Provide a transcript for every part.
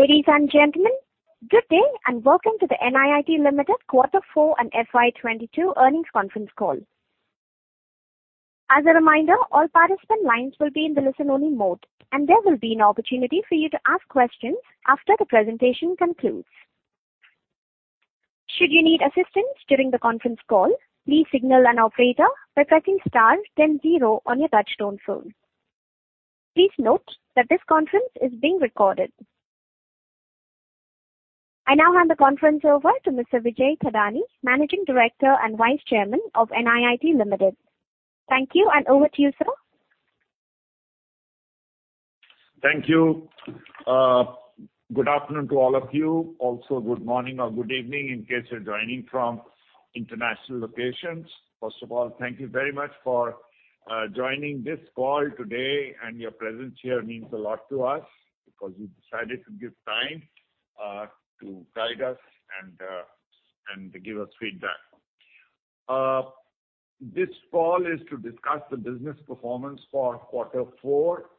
Ladies and gentlemen, good day and welcome to the NIIT Limited Q4 and FY 2022 Earnings Conference Call. As a reminder, all participant lines will be in the listen-only mode, and there will be an opportunity for you to ask questions after the presentation concludes. Should you need assistance during the conference call, please signal an operator by pressing star then zero on your touchtone phone. Please note that this conference is being recorded. I now hand the conference over to Mr. Vijay Thadani, Managing Director and Vice Chairman of NIIT Limited. Thank you, and over to you, sir. Thank you. Good afternoon to all of you. Also, good morning or good evening in case you're joining from international locations. First of all, thank you very much for joining this call today, and your presence here means a lot to us because you decided to give time to guide us and to give us feedback. This call is to discuss the business performance for quarter four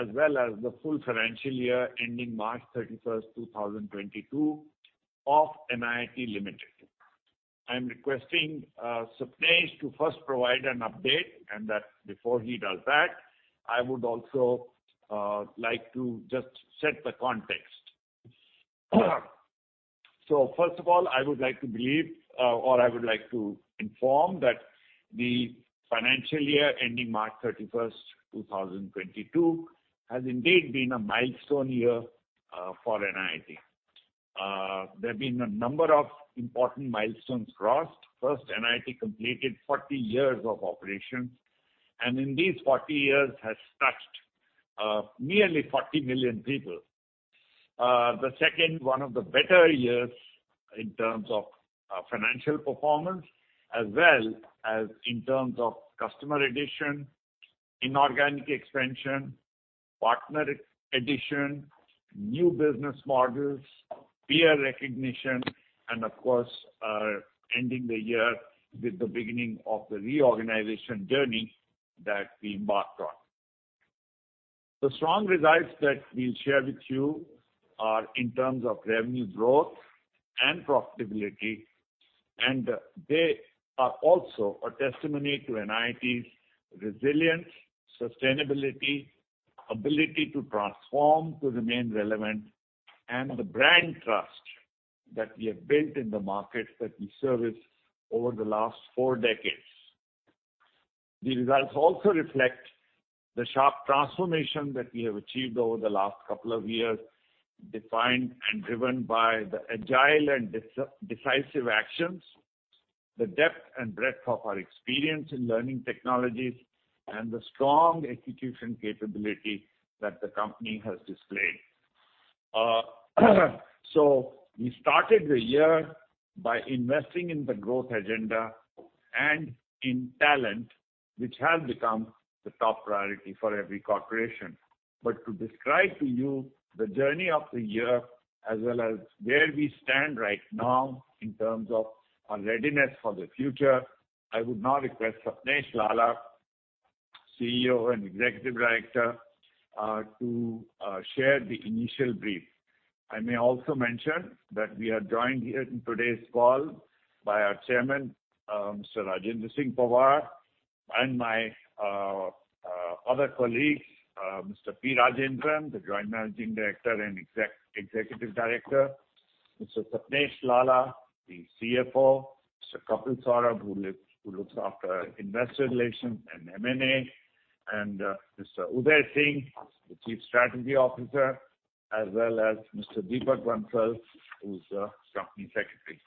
as well as the full financial year ending March 31, 2022 of NIIT Limited. I'm requesting Sapnesh to first provide an update and that before he does that, I would also like to just set the context. First of all, I would like to believe or I would like to inform that the financial year ending March 31st, 2022, has indeed been a milestone year for NIIT. There have been a number of important milestones crossed. First, NIIT completed 40 years of operations, and in these 40 years has touched nearly 40 million people. The second one of the better years in terms of financial performance as well as in terms of customer addition, inorganic expansion, partner addition, new business models, peer recognition, and of course, ending the year with the beginning of the reorganization journey that we embarked on. The strong results that we'll share with you are in terms of revenue growth and profitability, and they are also a testimony to NIIT's resilience, sustainability, ability to transform to remain relevant, and the brand trust that we have built in the market that we service over the last four decades. The results also reflect the sharp transformation that we have achieved over the last couple of years, defined and driven by the agile and decisive actions, the depth and breadth of our experience in learning technologies, and the strong execution capability that the company has displayed. We started the year by investing in the growth agenda and in talent, which has become the top priority for every corporation. To describe to you the journey of the year as well as where we stand right now in terms of our readiness for the future, I would now request Sapnesh Lalla, CEO and Executive Director, to share the initial brief. I may also mention that we are joined here in today's call by our chairman, Mr. Rajendra Singh Pawar, and my other colleagues, Mr. P. Rajendran, the Joint Managing Director and Executive Director. Mr. Sapnesh Lalla, the CFO. Mr. Kapil Saurabh, who looks after Investor Relations and M&A. Mr. Udai Singh, the Chief Strategy Officer, as well as Mr. Deepak Bansal, who's the Company Secretary.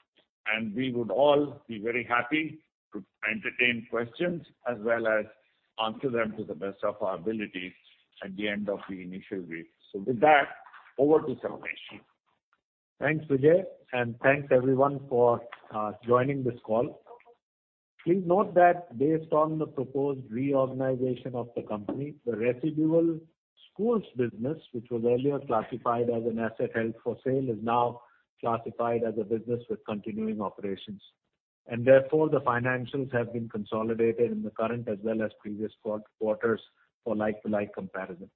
We would all be very happy to entertain questions as well as answer them to the best of our ability at the end of the initial brief. With that, over to Sapnesh. Thanks, Vijay. Thanks everyone for joining this call. Please note that based on the proposed reorganization of the company, the residual schools business, which was earlier classified as an asset held for sale, is now classified as a business with continuing operations, and therefore the financials have been consolidated in the current as well as previous quarters for like-for-like comparison.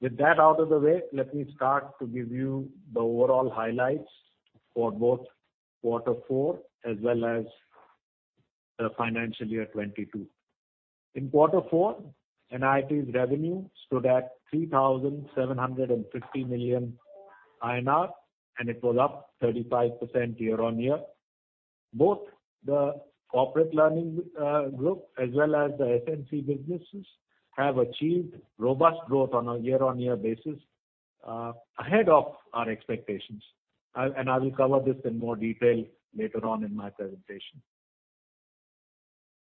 With that out of the way, let me start to give you the overall highlights for both quarter four as well as the financial year 2022. In quarter four, NIIT's revenue stood at 3,750 million INR, and it was up 35% year-on-year. Both the Corporate Learning Group as well as the SNC businesses have achieved robust growth on a year-on-year basis, ahead of our expectations. I will cover this in more detail later on in my presentation.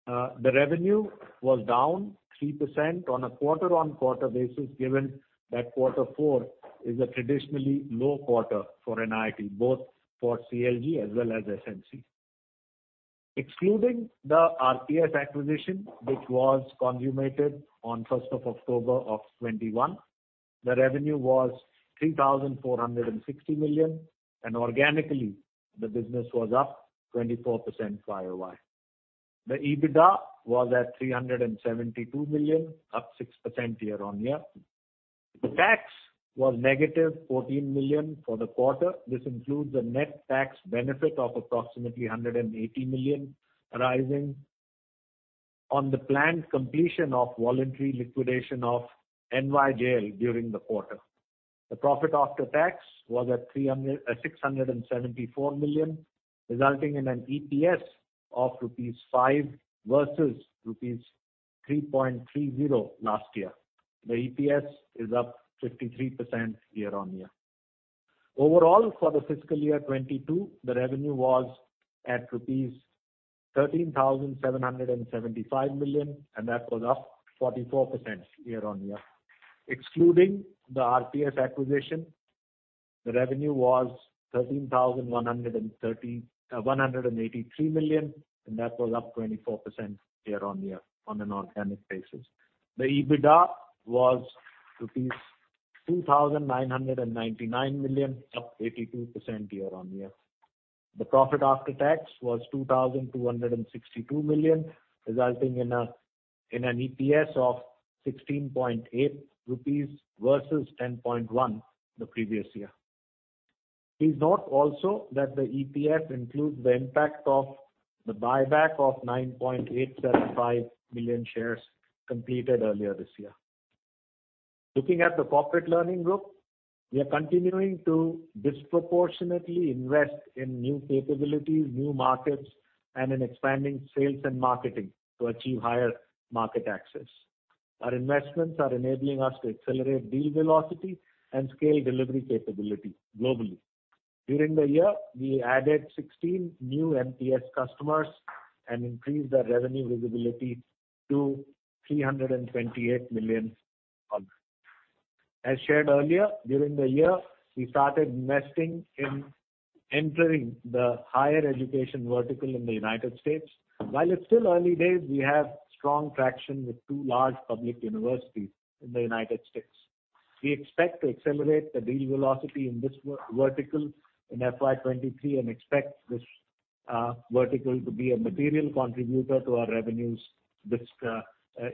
The revenue was down 3% on a quarter-on-quarter basis, given that quarter four is a traditionally low quarter for NIIT, both for CLG as well as SNC. Excluding the RPS acquisition, which was consummated on October 1st 2021. The revenue was 3,460 million, and organically, the business was up 24% YoY. The EBITDA was at 372 million, up 6% year-on-year. The tax was -14 million for the quarter. This includes the net tax benefit of approximately 180 million arising on the planned completion of voluntary liquidation of NIIT Yuva Jyoti during the quarter. The profit after tax was at 674 million, resulting in an EPS of rupees 5 versus rupees 3.30 last year. The EPS is up 53% year-on-year. Overall, for the fiscal year 2022, the revenue was at rupees 13,775 million, and that was up 44% year-on-year. Excluding the RPS acquisition, the revenue was 13,183 million, and that was up 24% year-on-year on an organic basis. The EBITDA was rupees 2,999 million, up 82% year-on-year. The profit after tax was 2,262 million, resulting in an EPS of 16.8 rupees versus 10.1 the previous year. Please note also that the EPS includes the impact of the buyback of 9.875 million shares completed earlier this year. Looking at the Corporate Learning Group, we are continuing to disproportionately invest in new capabilities, new markets, and in expanding sales and marketing to achieve higher market access. Our investments are enabling us to accelerate deal velocity and scale delivery capability globally. During the year, we added 16 new MTS customers and increased our revenue visibility to $328 million. As shared earlier, during the year, we started investing in entering the higher education vertical in the United States. While it's still early days, we have strong traction with two large public universities in the United States. We expect to accelerate the deal velocity in this vertical in FY 2023 and expect this vertical to be a material contributor to our revenues this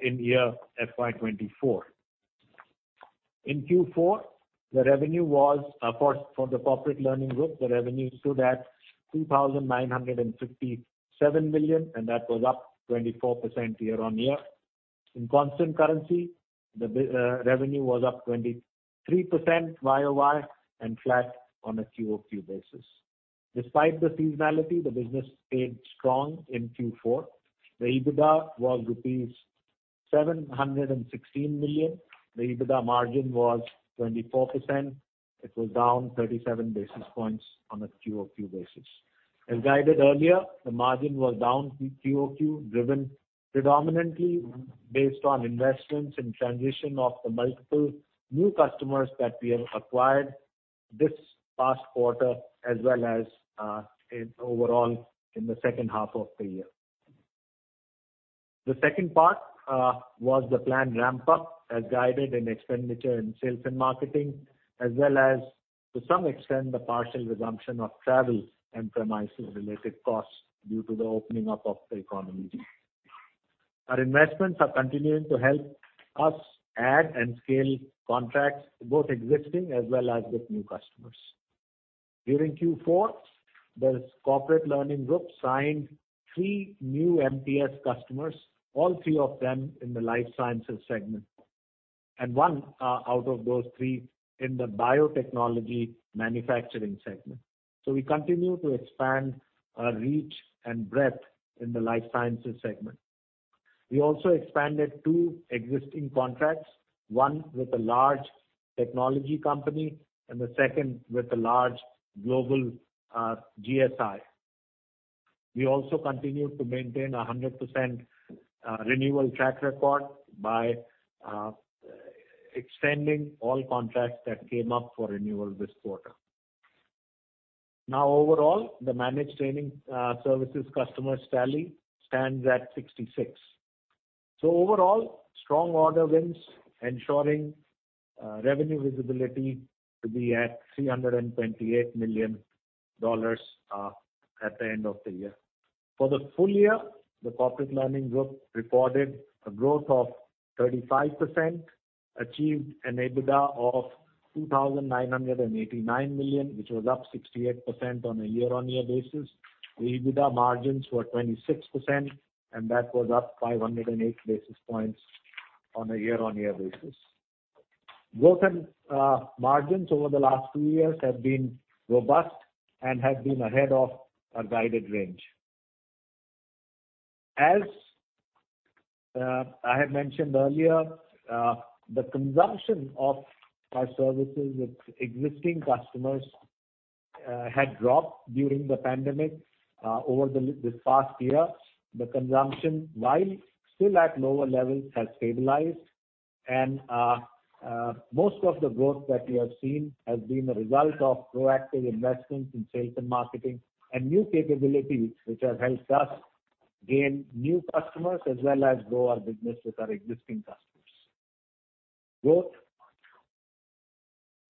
in year FY 2024. In Q4, the revenue for the Corporate Learning Group stood at 2,957 million, and that was up 24% year-on-year. In constant currency, the revenue was up 23% YoY and flat on a QoQ basis. Despite the seasonality, the business stayed strong in Q4. The EBITDA was rupees 716 million. The EBITDA margin was 24%. It was down 37 basis points on a QoQ basis. As guided earlier, the margin was down QoQ, driven predominantly based on investments in transition of the multiple new customers that we have acquired this past quarter as well as in overall in the second half of the year. The second part was the planned ramp-up as guided in expenditure in sales and marketing, as well as to some extent, the partial resumption of travel and premises related costs due to the opening up of the economy. Our investments are continuing to help us add and scale contracts, both existing as well as with new customers. During Q4, the Corporate Learning Group signed three new MTS customers, all three of them in the life sciences segment, and one out of those three in the biotechnology manufacturing segment. We continue to expand our reach and breadth in the life sciences segment. We also expanded two existing contracts, one with a large technology company and the second with a large global GSI. We also continued to maintain 100% renewal track record by extending all contracts that came up for renewal this quarter. Now overall, the managed training services customers tally stands at 66. Overall, strong order wins ensuring revenue visibility to be at $328 million at the end of the year. For the full year, the Corporate Learning Group recorded a growth of 35%, achieved an EBITDA of 2,989 million, which was up 68% on a year-over-year basis. The EBITDA margins were 26%, and that was up 508 basis points on a year-over-year basis. Growth and margins over the last two years have been robust and have been ahead of our guided range. As I had mentioned earlier, the consumption of our services with existing customers had dropped during the pandemic over this past year. The consumption, while still at lower levels, has stabilized and most of the growth that we have seen has been a result of proactive investments in sales and marketing and new capabilities which have helped us gain new customers as well as grow our business with our existing customers. Growth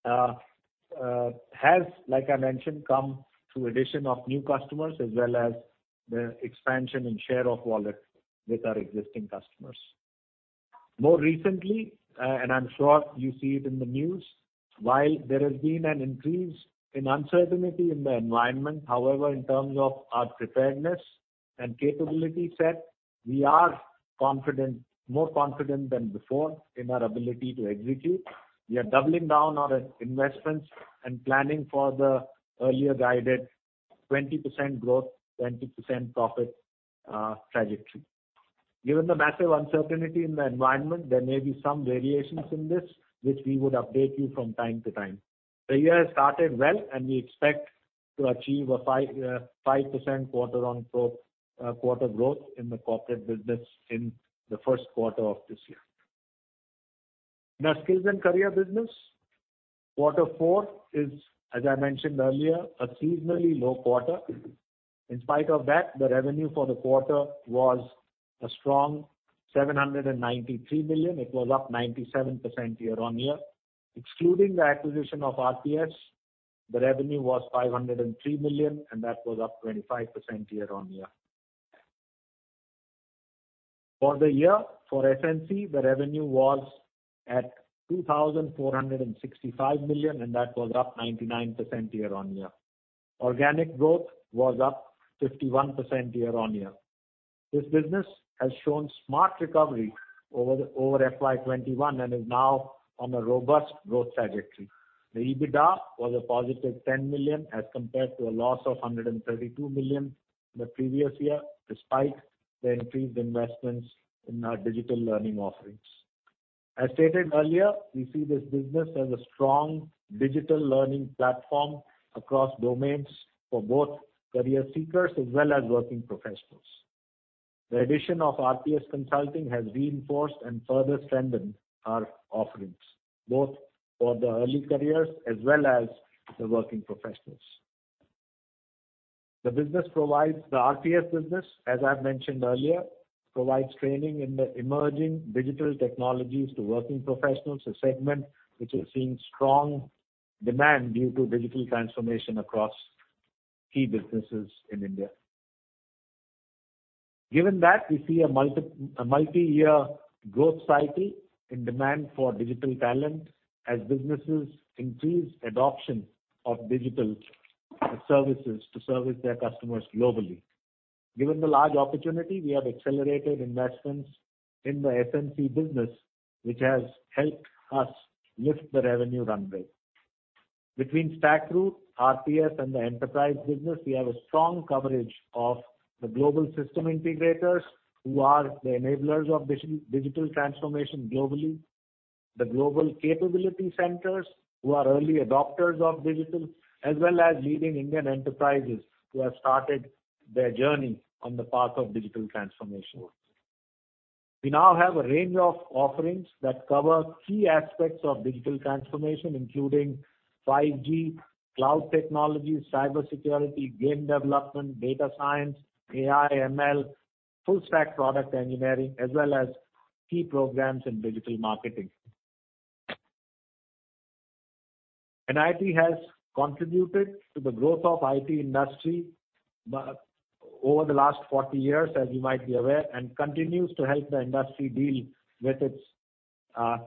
has, like I mentioned, come through addition of new customers as well as the expansion and share of wallet with our existing customers. More recently, I'm sure you see it in the news, while there has been an increase in uncertainty in the environment, however, in terms of our preparedness and capability set, we are confident, more confident than before in our ability to execute. We are doubling down on investments and planning for the earlier guided 20% growth, 20% profit trajectory. Given the massive uncertainty in the environment, there may be some variations in this, which we would update you from time to time. The year started well, and we expect to achieve a 5% quarter-on-quarter growth in the corporate business in the first quarter of this year. The Skills & Careers business, quarter four is, as I mentioned earlier, a seasonally low quarter. In spite of that, the revenue for the quarter was a strong 793 million. It was up 97% year-over-year. Excluding the acquisition of RPS, the revenue was 503 million, and that was up 25% year-over-year. For the year, for SNC, the revenue was at 2,465 million, and that was up 99% year-over-year. Organic growth was up 51% year-over-year. This business has shown smart recovery over FY 2021 and is now on a robust growth trajectory. The EBITDA was a positive 10 million, as compared to a loss of 132 million the previous year, despite the increased investments in our digital learning offerings. As stated earlier, we see this business as a strong digital learning platform across domains for both career seekers as well as working professionals. The addition of RPS Consulting has reinforced and further strengthened our offerings, both for the early careers as well as the working professionals. The RPS business, as I mentioned earlier, provides training in the emerging digital technologies to working professionals, a segment which has seen strong demand due to digital transformation across key businesses in India. Given that, we see a multi-year growth cycle in demand for digital talent as businesses increase adoption of digital services to service their customers globally. Given the large opportunity, we have accelerated investments in the SNC business, which has helped us lift the revenue runway. Between StackRoute, RPS, and the enterprise business, we have a strong coverage of the global system integrators who are the enablers of digital transformation globally, the global capability centers who are early adopters of digital, as well as leading Indian enterprises who have started their journey on the path of digital transformation. We now have a range of offerings that cover key aspects of digital transformation, including 5G, cloud technologies, cybersecurity, game development, data science, AI, ML, full stack product engineering, as well as key programs in digital marketing. NIIT has contributed to the growth of IT industry over the last 40 years, as you might be aware, and continues to help the industry deal with its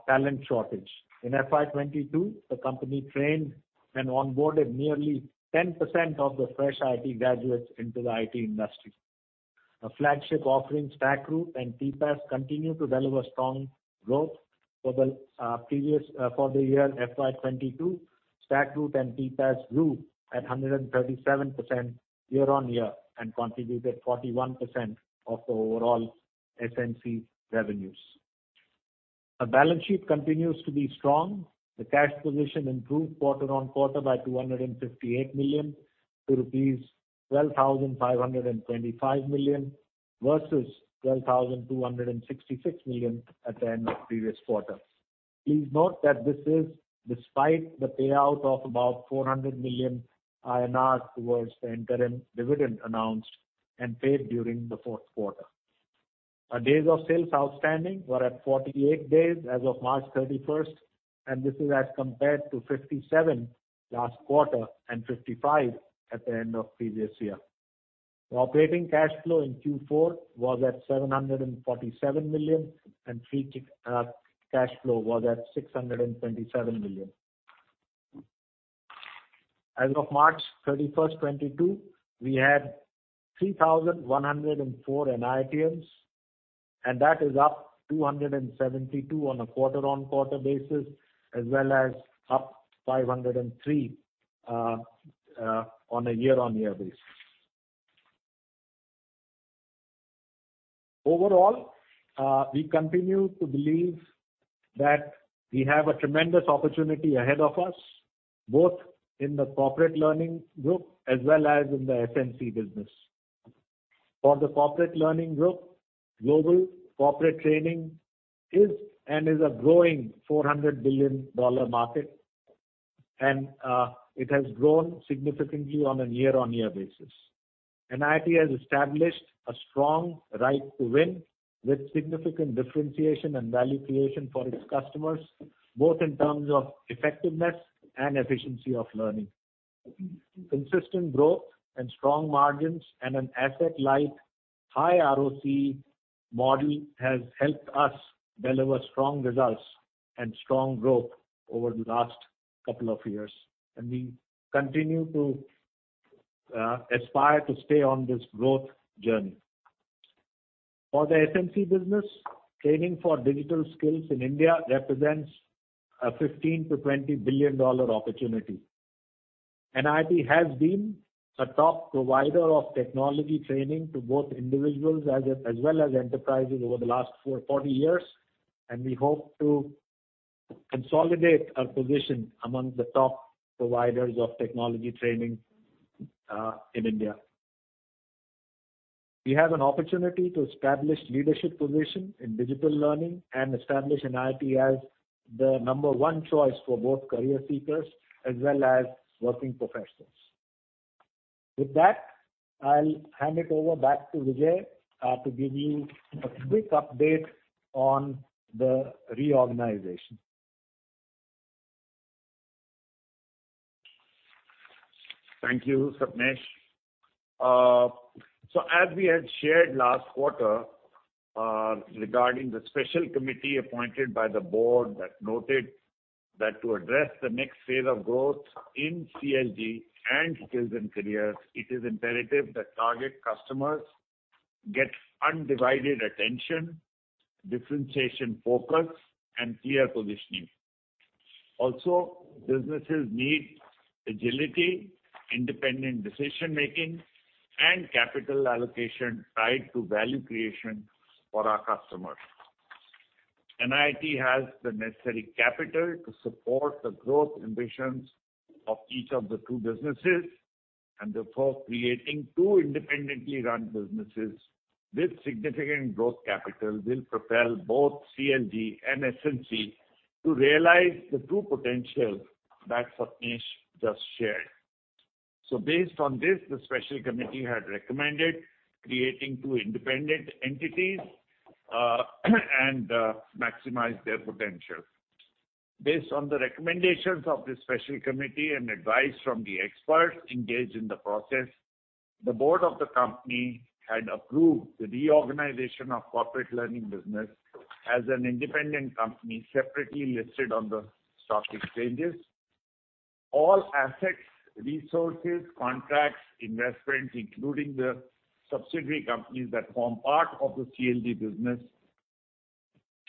talent shortage. In FY 2022, the company trained and onboarded nearly 10% of the fresh IT graduates into the IT industry. Our flagship offerings, StackRoute and TPaaS, continue to deliver strong growth for the previous year FY 2022. StackRoute and TPaaS grew at 137% year-on-year and contributed 41% of the overall SNC revenues. Our balance sheet continues to be strong. The cash position improved quarter-on-quarter by 258 million to rupees 12,525 million, versus 12,266 million at the end of previous quarter. Please note that this is despite the payout of about 400 million INR towards the interim dividend announced and paid during the fourth quarter. Our days of sales outstanding were at 48 days as of March 31st, and this is as compared to 57 last quarter and 55 at the end of previous year. Operating cash flow in Q4 was at 747 million, and free cash flow was at 627 million. As of March 31, 2022, we had 3,104 NIITians, and that is up 272 on a quarter-on-quarter basis as well as up 503 on a year-on-year basis. Overall, we continue to believe that we have a tremendous opportunity ahead of us, both in the corporate learning group as well as in the SNC business. For the corporate learning group, global corporate training is and is a growing $400 billion market. It has grown significantly on a year-on-year basis. NIIT has established a strong right to win with significant differentiation and value creation for its customers, both in terms of effectiveness and efficiency of learning. Consistent growth and strong margins and an asset-light, high ROC model has helped us deliver strong results and strong growth over the last couple of years, and we continue to aspire to stay on this growth journey. For the SNC business, training for digital skills in India represents a $15 billion-$20 billion opportunity. NIIT has been a top provider of technology training to both individuals as well as enterprises over the last 40 years, and we hope to consolidate our position among the top providers of technology training in India. We have an opportunity to establish leadership position in digital learning and establish NIIT as the number one choice for both career seekers as well as working professionals. With that, I'll hand it over back to Vijay to give you a quick update on the reorganization. Thank you, Sapnesh. As we had shared last quarter, regarding the special committee appointed by the board that noted that to address the next phase of growth in CLG and Skills & Careers, it is imperative that target customers get undivided attention, differentiation focus, and clear positioning. Also, businesses need agility, independent decision-making, and capital allocation tied to value creation for our customers. NIIT has the necessary capital to support the growth ambitions of each of the two businesses, and therefore creating two independently run businesses with significant growth capital will propel both CLG and SNC to realize the true potential that Sapnesh Lalla just shared. Based on this, the special committee had recommended creating two independent entities, and maximize their potential. Based on the recommendations of the special committee and advice from the experts engaged in the process, the board of the company had approved the reorganization of Corporate Learning Group as an independent company separately listed on the stock exchanges. All assets, resources, contracts, investments, including the subsidiary companies that form part of the CLG business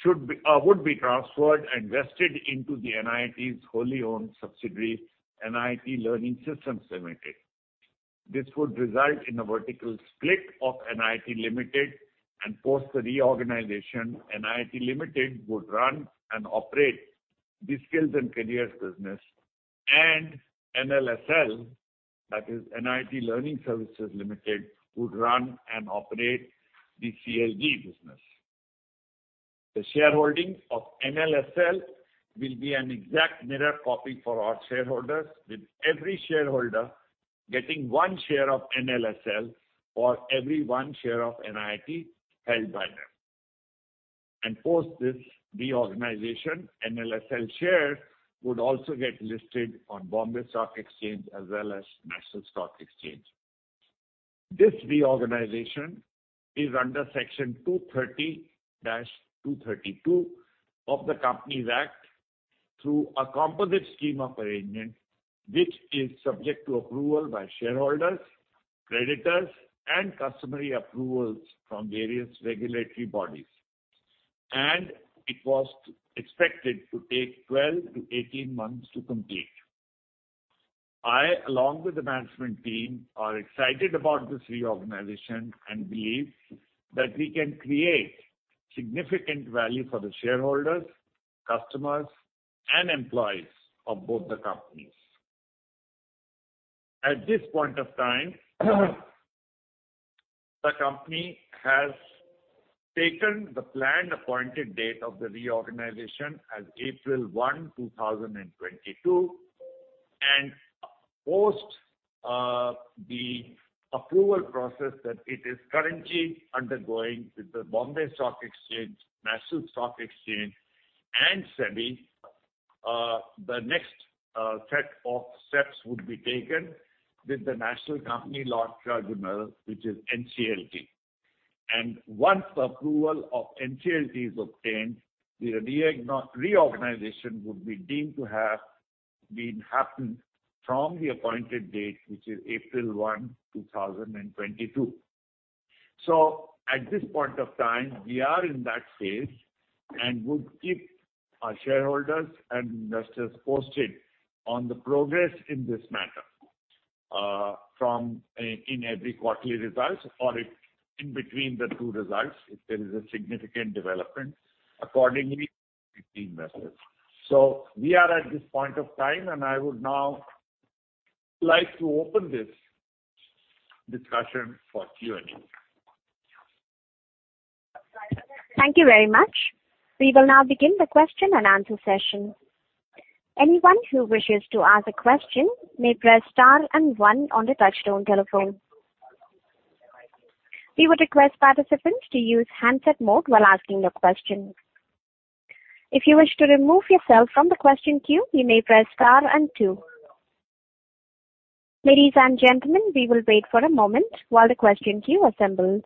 would be transferred and vested into the NIIT's wholly owned subsidiary, NIIT Learning Systems Limited. This would result in a vertical split of NIIT Limited, and post the reorganization, NIIT Limited would run and operate the Skills & Careers business. NLSL, that is NIIT Learning Systems Limited, would run and operate the CLG business. The shareholding of NLSL will be an exact mirror copy for our shareholders, with every shareholder getting one share of NLSL for every one share of NIIT held by them. Post this reorganization, NLSL shares would also get listed on Bombay Stock Exchange as well as National Stock Exchange. This reorganization is under Section 230-232 of the Companies Act through a composite scheme of arrangement, which is subject to approval by shareholders, creditors, and customary approvals from various regulatory bodies. It was expected to take 12 to 18 months to complete. I, along with the management team, are excited about this reorganization and believe that we can create significant value for the shareholders, customers, and employees of both the companies. At this point of time, the company has taken the planned appointed date of the reorganization as April 1, 2022. Post the approval process that it is currently undergoing with the Bombay Stock Exchange, National Stock Exchange and SEBI, the next set of steps would be taken with the National Company Law Tribunal, which is NCLT. Once the approval of NCLT is obtained, the reorganization would be deemed to have been happened from the appointed date, which is April 1, 2022. At this point of time, we are in that phase and would keep our shareholders and investors posted on the progress in this matter, in every quarterly results or in between the two results if there is a significant development accordingly messages. We are at this point of time, and I would now like to open this discussion for Q&A. Thank you very much. We will now begin the question and answer session. Anyone who wishes to ask a question may press star and one on the touchtone telephone. We would request participants to use handset mode while asking your question. If you wish to remove yourself from the question queue, you may press star and two. Ladies and gentlemen, we will wait for a moment while the question queue assembles.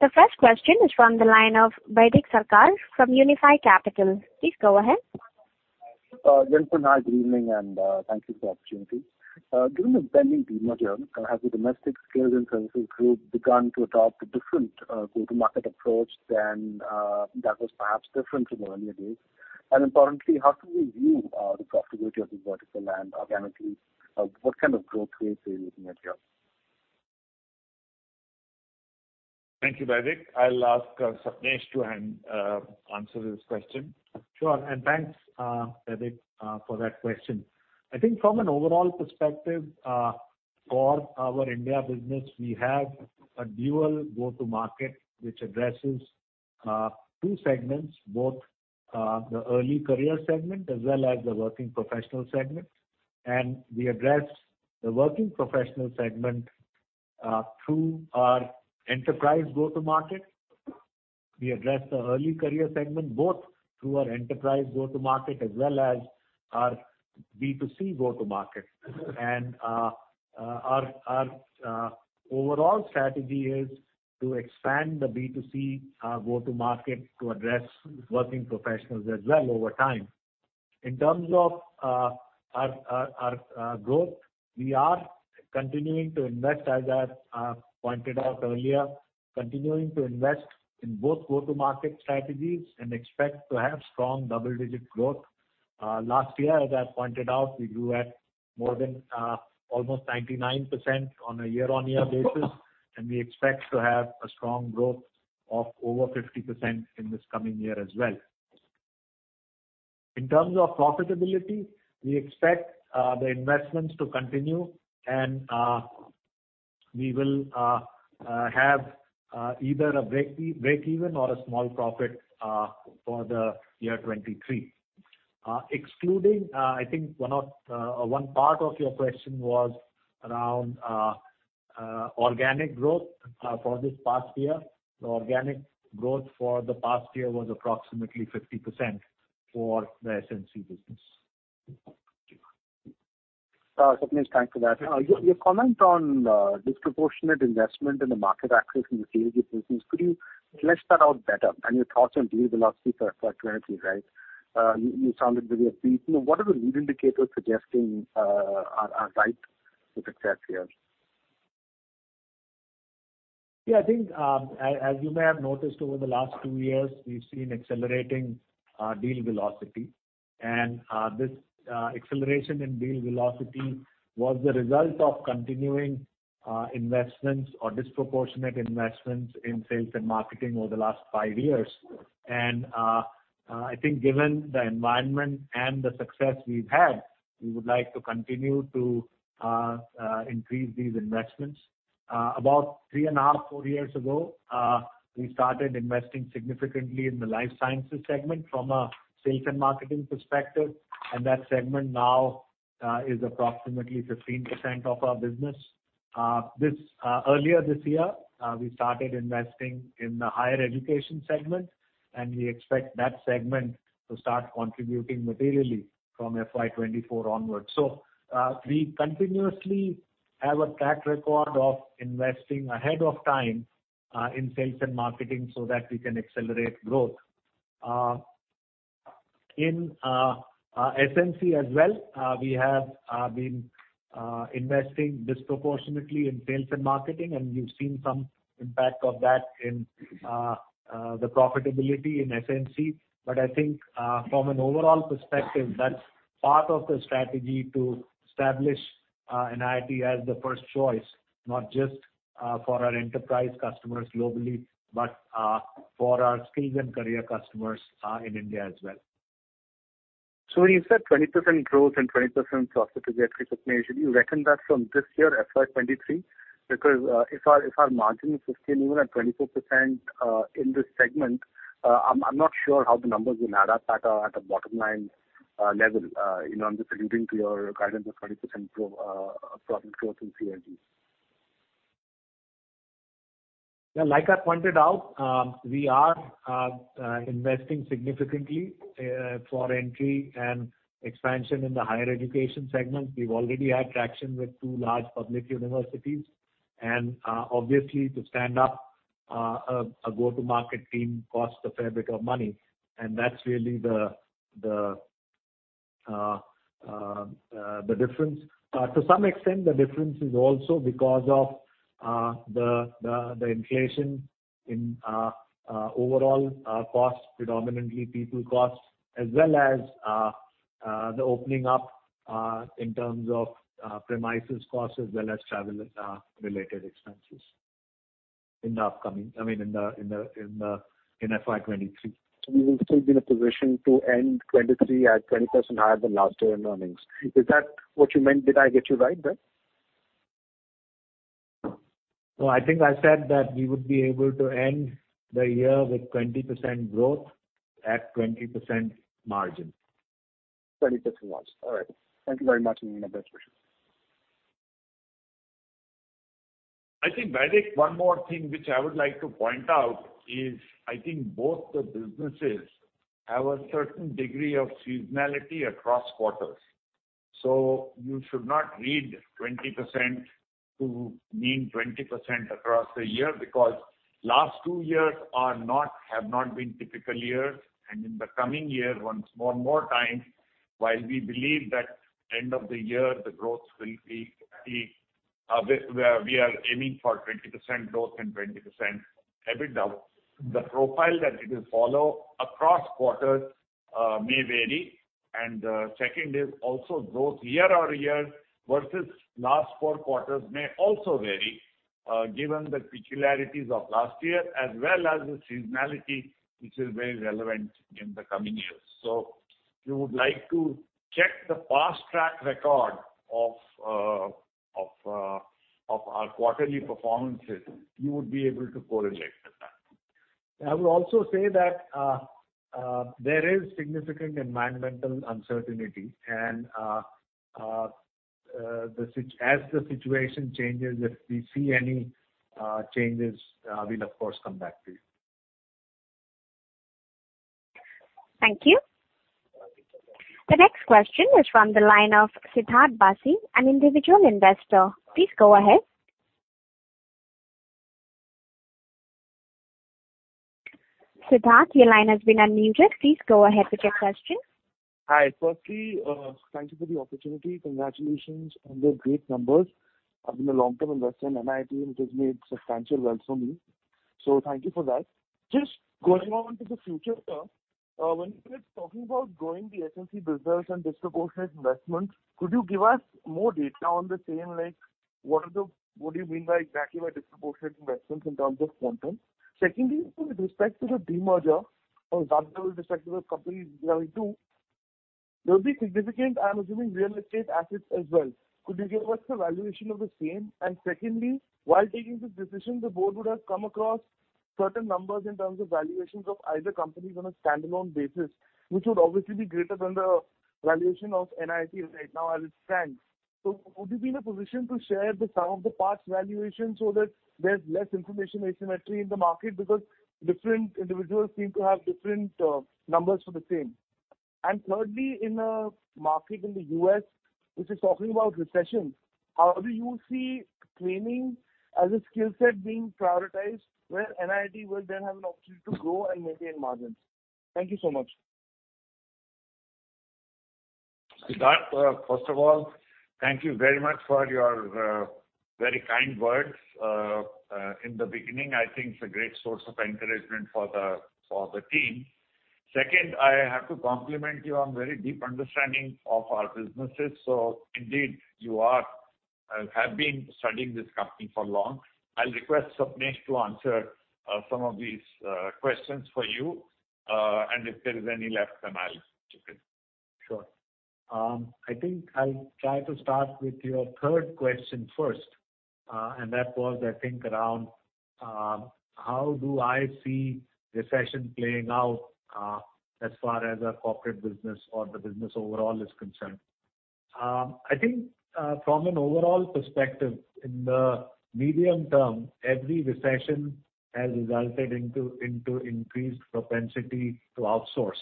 The first question is from the line of Baidik Sarkar from Unifi Capital. Please go ahead. Good evening, and thank you for the opportunity. Given the pending demerger, has the domestic skills and services group begun to adopt a different go-to-market approach than that was perhaps different from earlier days? Importantly, how can we view the profitability of the vertical and organically? What kind of growth rates are you looking at here? Thank you, Baidik. I'll ask Sapnesh to answer this question. Sure. Thanks, Baidik, for that question. I think from an overall perspective for our India business, we have a dual go-to-market which addresses two segments, both the early career segment as well as the working professional segment. We address the working professional segment through our enterprise go-to-market. We address the early career segment both through our enterprise go-to-market as well as our B2C go-to-market. Our overall strategy is to expand the B2C go-to-market to address working professionals as well over time. In terms of our growth, we are continuing to invest, as I pointed out earlier, continuing to invest in both go-to-market strategies and expect to have strong double-digit growth. Last year, as I pointed out, we grew at more than almost 99% on a year-on-year basis, and we expect to have a strong growth of over 50% in this coming year as well. In terms of profitability, we expect the investments to continue and we will have either a breakeven or a small profit for the year 2023. Excluding, I think one part of your question was around organic growth for this past year. Organic growth for the past year was approximately 50% for the SNC business. Sapnesh, thanks for that. Your comment on disproportionate investment in the market access in the CLG business, could you flesh that out better and your thoughts on deal velocity for 2023? You sounded really upbeat. You know, what are the leading indicators suggesting are right on track here? Yeah, I think, as you may have noticed over the last two years, we've seen accelerating deal velocity. This acceleration in deal velocity was the result of continuing investments or disproportionate investments in sales and marketing over the last five years. I think given the environment and the success we've had, we would like to continue to increase these investments. About three and a half to four years ago, we started investing significantly in the life sciences segment from a sales and marketing perspective, and that segment now is approximately 15% of our business. Earlier this year, we started investing in the higher education segment, and we expect that segment to start contributing materially from FY 2024 onwards. We continuously have a track record of investing ahead of time in sales and marketing so that we can accelerate growth. In our SNC as well, we have been investing disproportionately in sales and marketing, and you've seen some impact of that in the profitability in SNC. I think from an overall perspective, that's part of the strategy to establish NIIT as the first choice, not just for our enterprise customers globally, but for our Skills & Career customers in India as well. When you said 20% growth and 20% profitability increase, Sapnesh, should you reckon that from this year, FY 2023? Because, if our margin is 15%, even at 24%, in this segment, I'm not sure how the numbers will add up at a bottom line level. You know, I'm just alluding to your guidance of 20% profit growth in CLG. Yeah, like I pointed out, we are investing significantly for entry and expansion in the higher education segment. We've already had traction with two large public universities. Obviously, to stand up a go-to-market team costs a fair bit of money, and that's really the difference. To some extent, the difference is also because of the inflation in overall costs, predominantly people costs, as well as the opening up in terms of premises costs as well as travel related expenses. In FY 2023, we will still be in a position to end 2023 at 20% higher than last year in earnings. Is that what you meant? Did I get you right there? No, I think I said that we would be able to end the year with 20% growth at 20% margin. 20% margin. All right. Thank you very much. Best wishes. I think, Baidik, one more thing which I would like to point out is I think both the businesses have a certain degree of seasonality across quarters. So you should not read 20% to mean 20% across the year because last two years have not been typical years. In the coming year, one more time, while we believe that end of the year the growth will be where we are aiming for 20% growth and 20% EBITDA, the profile that it will follow across quarters may vary. Second is also growth year-over-year versus last four quarters may also vary, given the peculiarities of last year as well as the seasonality, which is very relevant in the coming years. If you would like to check the past track record of our quarterly performances, you would be able to correlate with that. I would also say that there is significant environmental uncertainty and as the situation changes, if we see any changes, we'll of course come back to you. Thank you. The next question is from the line of Siddharth Basi, an individual investor. Please go ahead. Siddharth, your line has been unmuted. Please go ahead with your question. Hi. Firstly, thank you for the opportunity. Congratulations on the great numbers. I've been a long-term investor in NIIT, and it has made substantial wealth for me, so thank you for that. Just going on to the future term, when you were talking about growing the SNC business and disproportionate investments, could you give us more data on the same? Like, what do you mean by exactly by disproportionate investments in terms of quantum? Secondly, with respect to the demerger, or rather with respect to the company dividing two, there'll be significant, I'm assuming, real estate assets as well. Could you give us the valuation of the same? Secondly, while taking this decision, the board would have come across certain numbers in terms of valuations of either companies on a standalone basis, which would obviously be greater than the valuation of NIIT right now as it stands. Would you be in a position to share the sum of the parts valuation so that there's less information asymmetry in the market? Because different individuals seem to have different numbers for the same. Thirdly, in a market in the U.S. which is talking about recession, how do you see training as a skill set being prioritized, where NIIT will then have an opportunity to grow and maintain margins? Thank you so much. Siddharth, first of all, thank you very much for your very kind words. In the beginning, I think it's a great source of encouragement for the team. Second, I have to compliment you on very deep understanding of our businesses. Indeed you have been studying this company for long. I'll request Sapnesh to answer some of these questions for you. If there is any left, then I'll chip in. Sure. I think I'll try to start with your third question first. That was, I think, around how do I see recession playing out as far as our corporate business or the business overall is concerned. I think from an overall perspective in the medium term, every recession has resulted into increased propensity to outsource.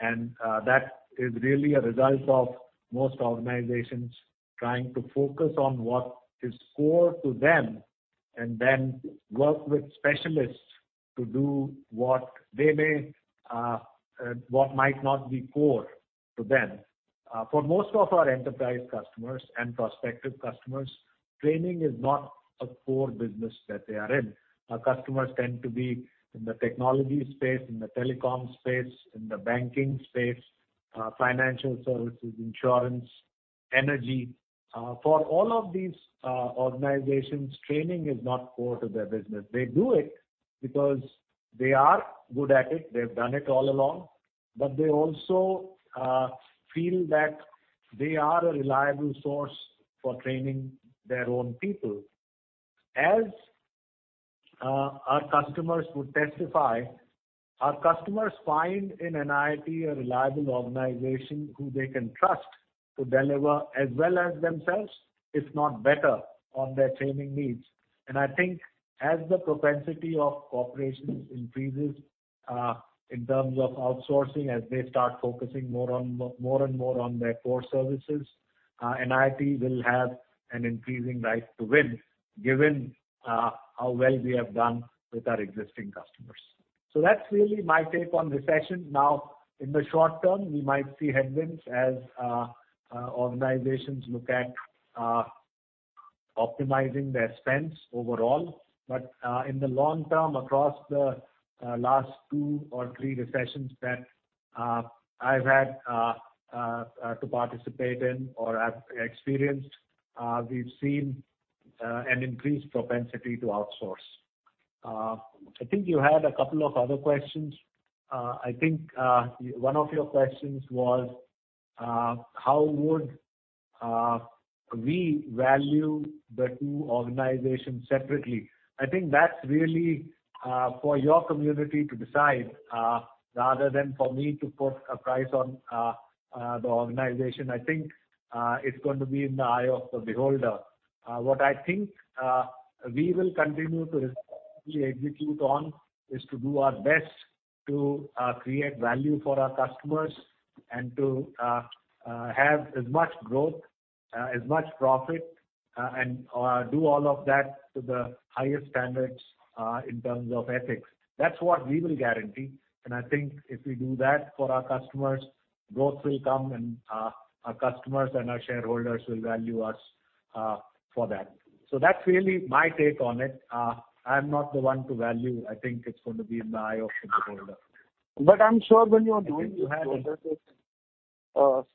That is really a result of most organizations trying to focus on what is core to them and then work with specialists to do what they may, what might not be core to them. For most of our enterprise customers and prospective customers, training is not a core business that they are in. Our customers tend to be in the technology space, in the telecom space, in the banking space, financial services, insurance, energy. For all of these organizations, training is not core to their business. They do it because they are good at it. They've done it all along. They also feel that they are a reliable source for training their own people. As our customers would testify, our customers find in NIIT a reliable organization who they can trust to deliver as well as themselves, if not better, on their training needs. I think as the propensity of corporations increases in terms of outsourcing, as they start focusing more on, more and more on their core services, NIIT will have an increasing right to win, given how well we have done with our existing customers. That's really my take on recession. Now, in the short term, we might see headwinds as organizations look at optimizing their spends overall. In the long term, across the last two or three recessions that I've had to participate in or have experienced, we've seen an increased propensity to outsource. I think you had a couple of other questions. I think one of your questions was how would we value the two organizations separately? I think that's really for your community to decide rather than for me to put a price on the organization. I think it's going to be in the eye of the beholder. What I think we will continue to responsibly execute on is to do our best to create value for our customers and to have as much growth, as much profit, and do all of that to the highest standards in terms of ethics. That's what we will guarantee. I think if we do that for our customers, growth will come and our customers and our shareholders will value us for that. That's really my take on it. I'm not the one to value. I think it's going to be in the eye of the beholder. I'm sure when you are doing. I think you had addressed it,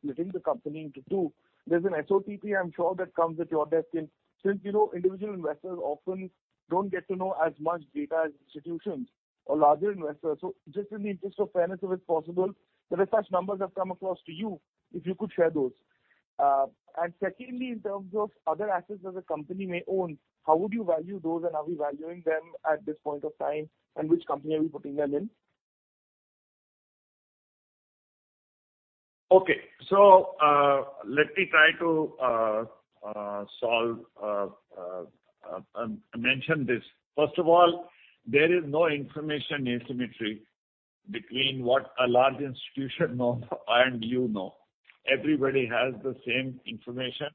splitting the company into two. There's an SOTP I'm sure that comes at your desk. Since, you know, individual investors often don't get to know as much data as institutions or larger investors. Just in the interest of fairness, if it's possible, if there are such numbers have come across to you, if you could share those. Secondly, in terms of other assets that the company may own, how would you value those and are we valuing them at this point of time, and which company are we putting them in? Okay. Let me try to mention this. First of all, there is no information asymmetry between what a large institution know and you know. Everybody has the same information.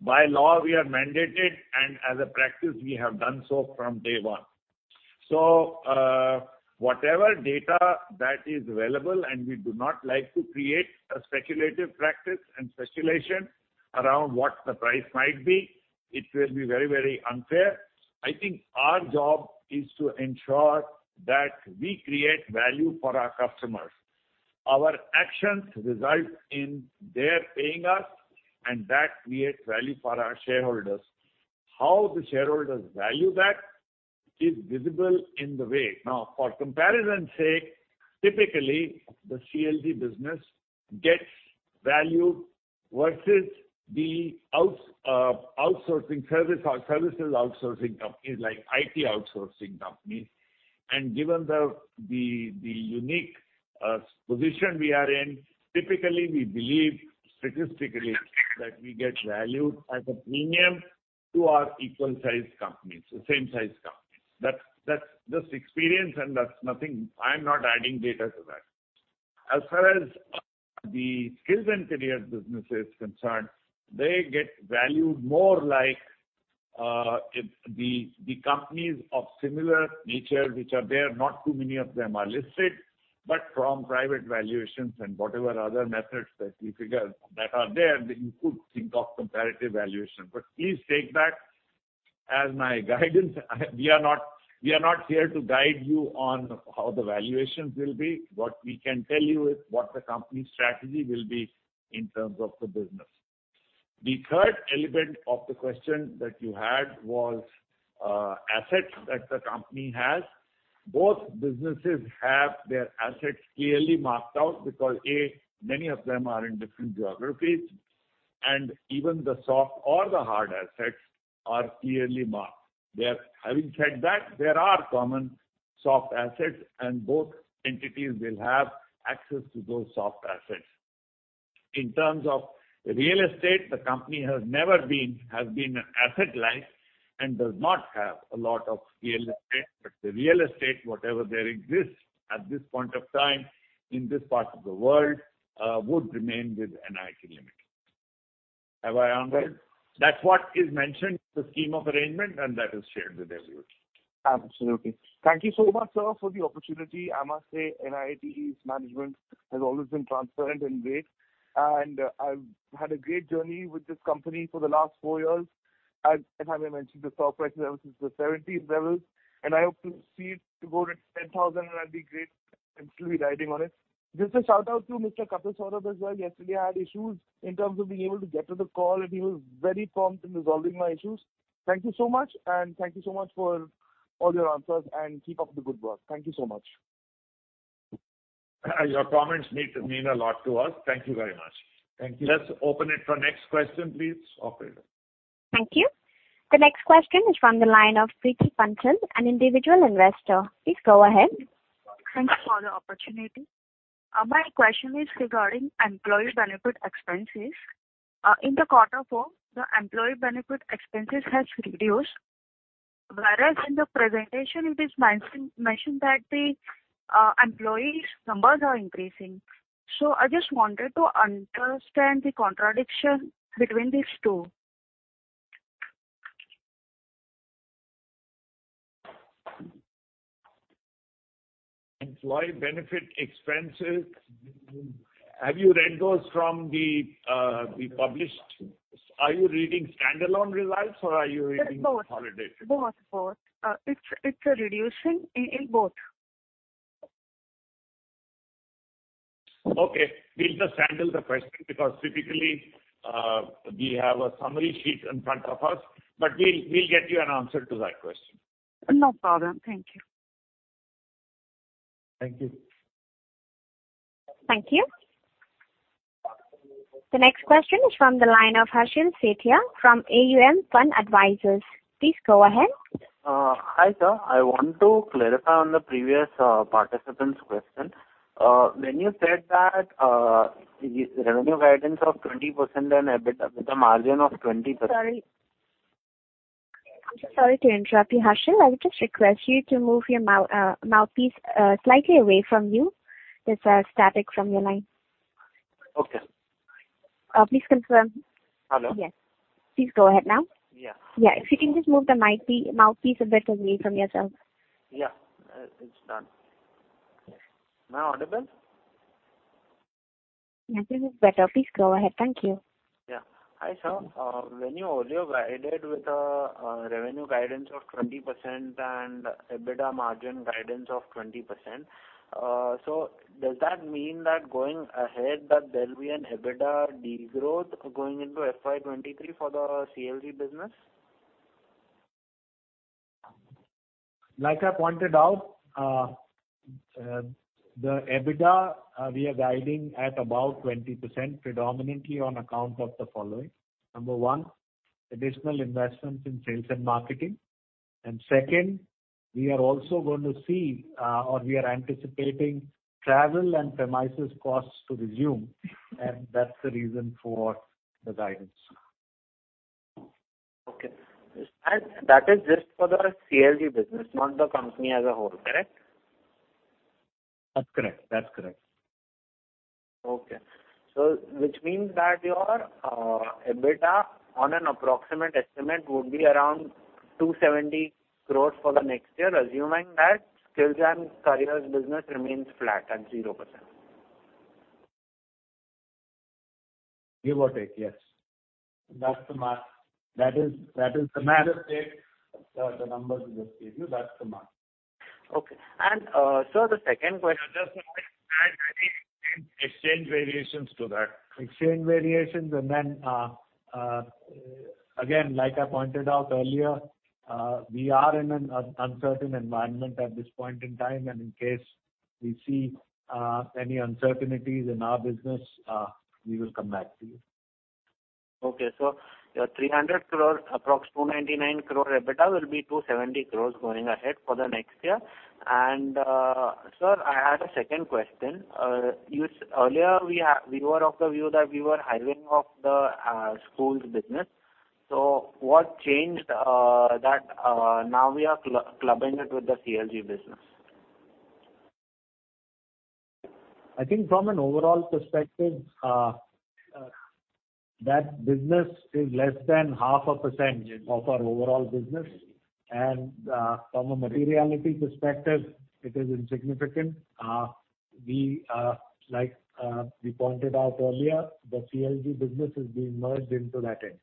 By law, we are mandated, and as a practice, we have done so from day one. Whatever data that is available, and we do not like to create a speculative practice and speculation around what the price might be, it will be very, very unfair. I think our job is to ensure that we create value for our customers. Our actions result in their paying us, and that creates value for our shareholders. How the shareholders value that is visible in the way. Now, for comparison sake, typically the CLG business gets valued versus the outsourcing service or services outsourcing companies like IT outsourcing companies. Given the unique position we are in, typically we believe statistically that we get valued at a premium to our equal sized companies, the same size companies. That's just experience and that's nothing. I'm not adding data to that. As far as the Skills & Careers business is concerned, they get valued more like if the companies of similar nature which are there, not too many of them are listed, but from private valuations and whatever other methods that you figure that are there, then you could think of comparative valuation. But please take that as my guidance. We are not here to guide you on how the valuations will be. What we can tell you is what the company strategy will be in terms of the business. The third element of the question that you had was assets that the company has. Both businesses have their assets clearly marked out because, A, many of them are in different geographies, and even the soft or the hard assets are clearly marked. Having said that, there are common soft assets and both entities will have access to those soft assets. In terms of real estate, the company has been asset light and does not have a lot of real estate. But the real estate, whatever there exists at this point of time in this part of the world, would remain with NIIT Limited. Have I answered? That's what is mentioned, the scheme of arrangement, and that is shared with everybody. Absolutely. Thank you so much, sir, for the opportunity. I must say, NIIT's management has always been transparent and great, and I've had a great journey with this company for the last four years. As I mentioned, the stock price level since the seventies levels, and I hope to see it to go to 10,000. That'd be great, and still be riding on it. Just a shout out to Mr. Kapil Saurabh as well. Yesterday, I had issues in terms of being able to get to the call and he was very prompt in resolving my issues. Thank you so much, and thank you so much for all your answers and keep up the good work. Thank you so much. Your comments mean a lot to us. Thank you very much. Thank you. Let's open it for the next question, please, operator. Thank you. The next question is from the line of Priti Pranchal, an individual investor. Please go ahead. Thanks for the opportunity. My question is regarding employee benefit expenses. In the quarter four, the employee benefit expenses has reduced. Whereas in the presentation it is mentioned that the employees numbers are increasing. I just wanted to understand the contradiction between these two. Employee benefit expenses. Have you read those from the published? Are you reading standalone results or are you reading consolidated? Both. It's a reduction in both. Okay. We'll just handle the question because typically, we have a summary sheet in front of us, but we'll get you an answer to that question. No problem. Thank you. Thank you. Thank you. The next question is from the line of Harshil Sethia from AUM Fund Advisors. Please go ahead. Hi, sir. I want to clarify on the previous participant's question. When you said that revenue guidance of 20% and EBITDA with a margin of 20%. Sorry. I'm so sorry to interrupt you, Harshil. I would just request you to move your mouthpiece slightly away from you. There's a static from your line. Okay. Please confirm. Hello? Yes. Please go ahead now. Yeah. Yeah. If you can just move the mic mouthpiece a bit away from yourself. Yeah. It's done. Am I audible? Yes, this is better. Please go ahead. Thank you. Yeah. Hi, sir. When you earlier guided with revenue guidance of 20% and EBITDA margin guidance of 20%, does that mean that going ahead there'll be an EBITDA degrowth going into FY 2023 for the CLG business? Like I pointed out, the EBITDA, we are guiding at about 20% predominantly on account of the following. Number one, additional investments in sales and marketing. Second, we are also going to see, or we are anticipating travel and premises costs to resume, and that's the reason for the guidance. Okay. That is just for the CLG business, not the company as a whole, correct? That's correct. That's correct. Okay. Which means that your EBITDA on an approximate estimate would be around 270 crores for the next year, assuming that Skills & Careers business remains flat at 0%. Give or take, yes. That's the mark. That is the mark. Just take the numbers we just gave you, that's the mark. Okay. Sir, the second question- Just a minute. Add any exchange variations to that. Exchange variations and then, again, like I pointed out earlier, we are in an uncertain environment at this point in time, and in case we see any uncertainties in our business, we will come back to you. Okay. Your 300 crore, approx 299 crore EBITDA will be 270 crore going ahead for the next year. Sir, I had a second question. Earlier, we were of the view that we were hiving off the schools business. What changed that now we are clubbing it with the CLG business? I think from an overall perspective, that business is less than 0.5% of our overall business. From a materiality perspective, it is insignificant. We pointed out earlier, the CLG business is being merged into that entity.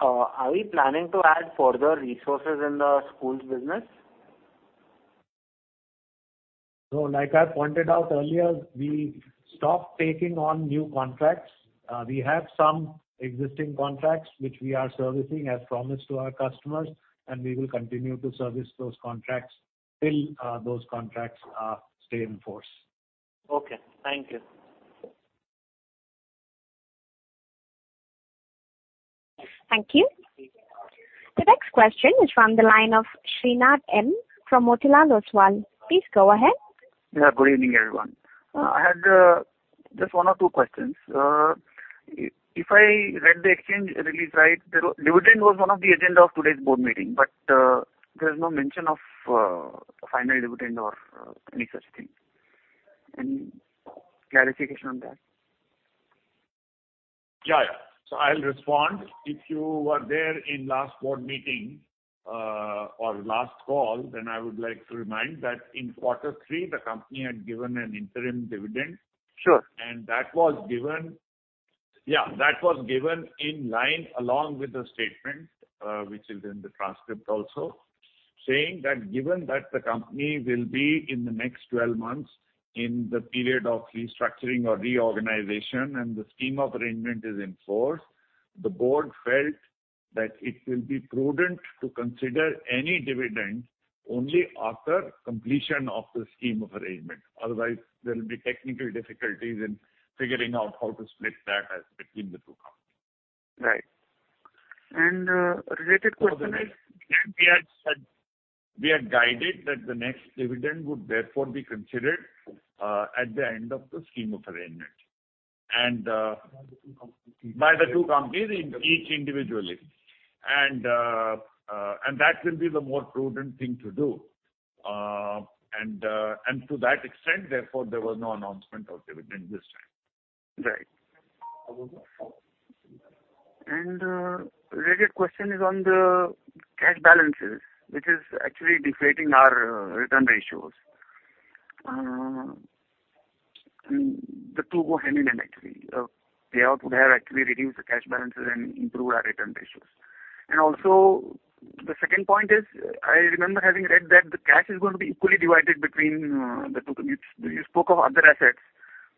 Are we planning to add further resources in the schools business? No. Like I pointed out earlier, we stopped taking on new contracts. We have some existing contracts which we are servicing as promised to our customers, and we will continue to service those contracts till those contracts stay in force. Okay. Thank you. Thank you. The next question is from the line of Srinath M from Motilal Oswal. Please go ahead. Yeah, good evening, everyone. I had just one or two questions. If I read the exchange release right, the dividend was one of the agenda of today's board meeting, but there's no mention of final dividend or any such thing. Any clarification on that? Yeah, yeah. I'll respond. If you were there in last board meeting, or last call, then I would like to remind that in quarter three, the company had given an interim dividend. Sure. That was given in line along with the statement, which is in the transcript also, saying that given that the company will be in the next 12 months in the period of restructuring or reorganization and the scheme of arrangement is in force, the board felt that it will be prudent to consider any dividend only after completion of the scheme of arrangement. Otherwise, there will be technical difficulties in figuring out how to split that as between the two companies. Right. A related question is. We had said we had guided that the next dividend would therefore be considered at the end of the scheme of arrangement and by the two companies, each individually. That will be the more prudent thing to do. To that extent, therefore, there was no announcement of dividend this time. Right. Related question is on the cash balances, which is actually deflating our return ratios. The two go hand in hand actually. Payout would have actually reduced the cash balances and improved our return ratios. The second point is, I remember having read that the cash is going to be equally divided between the two. You spoke of other assets,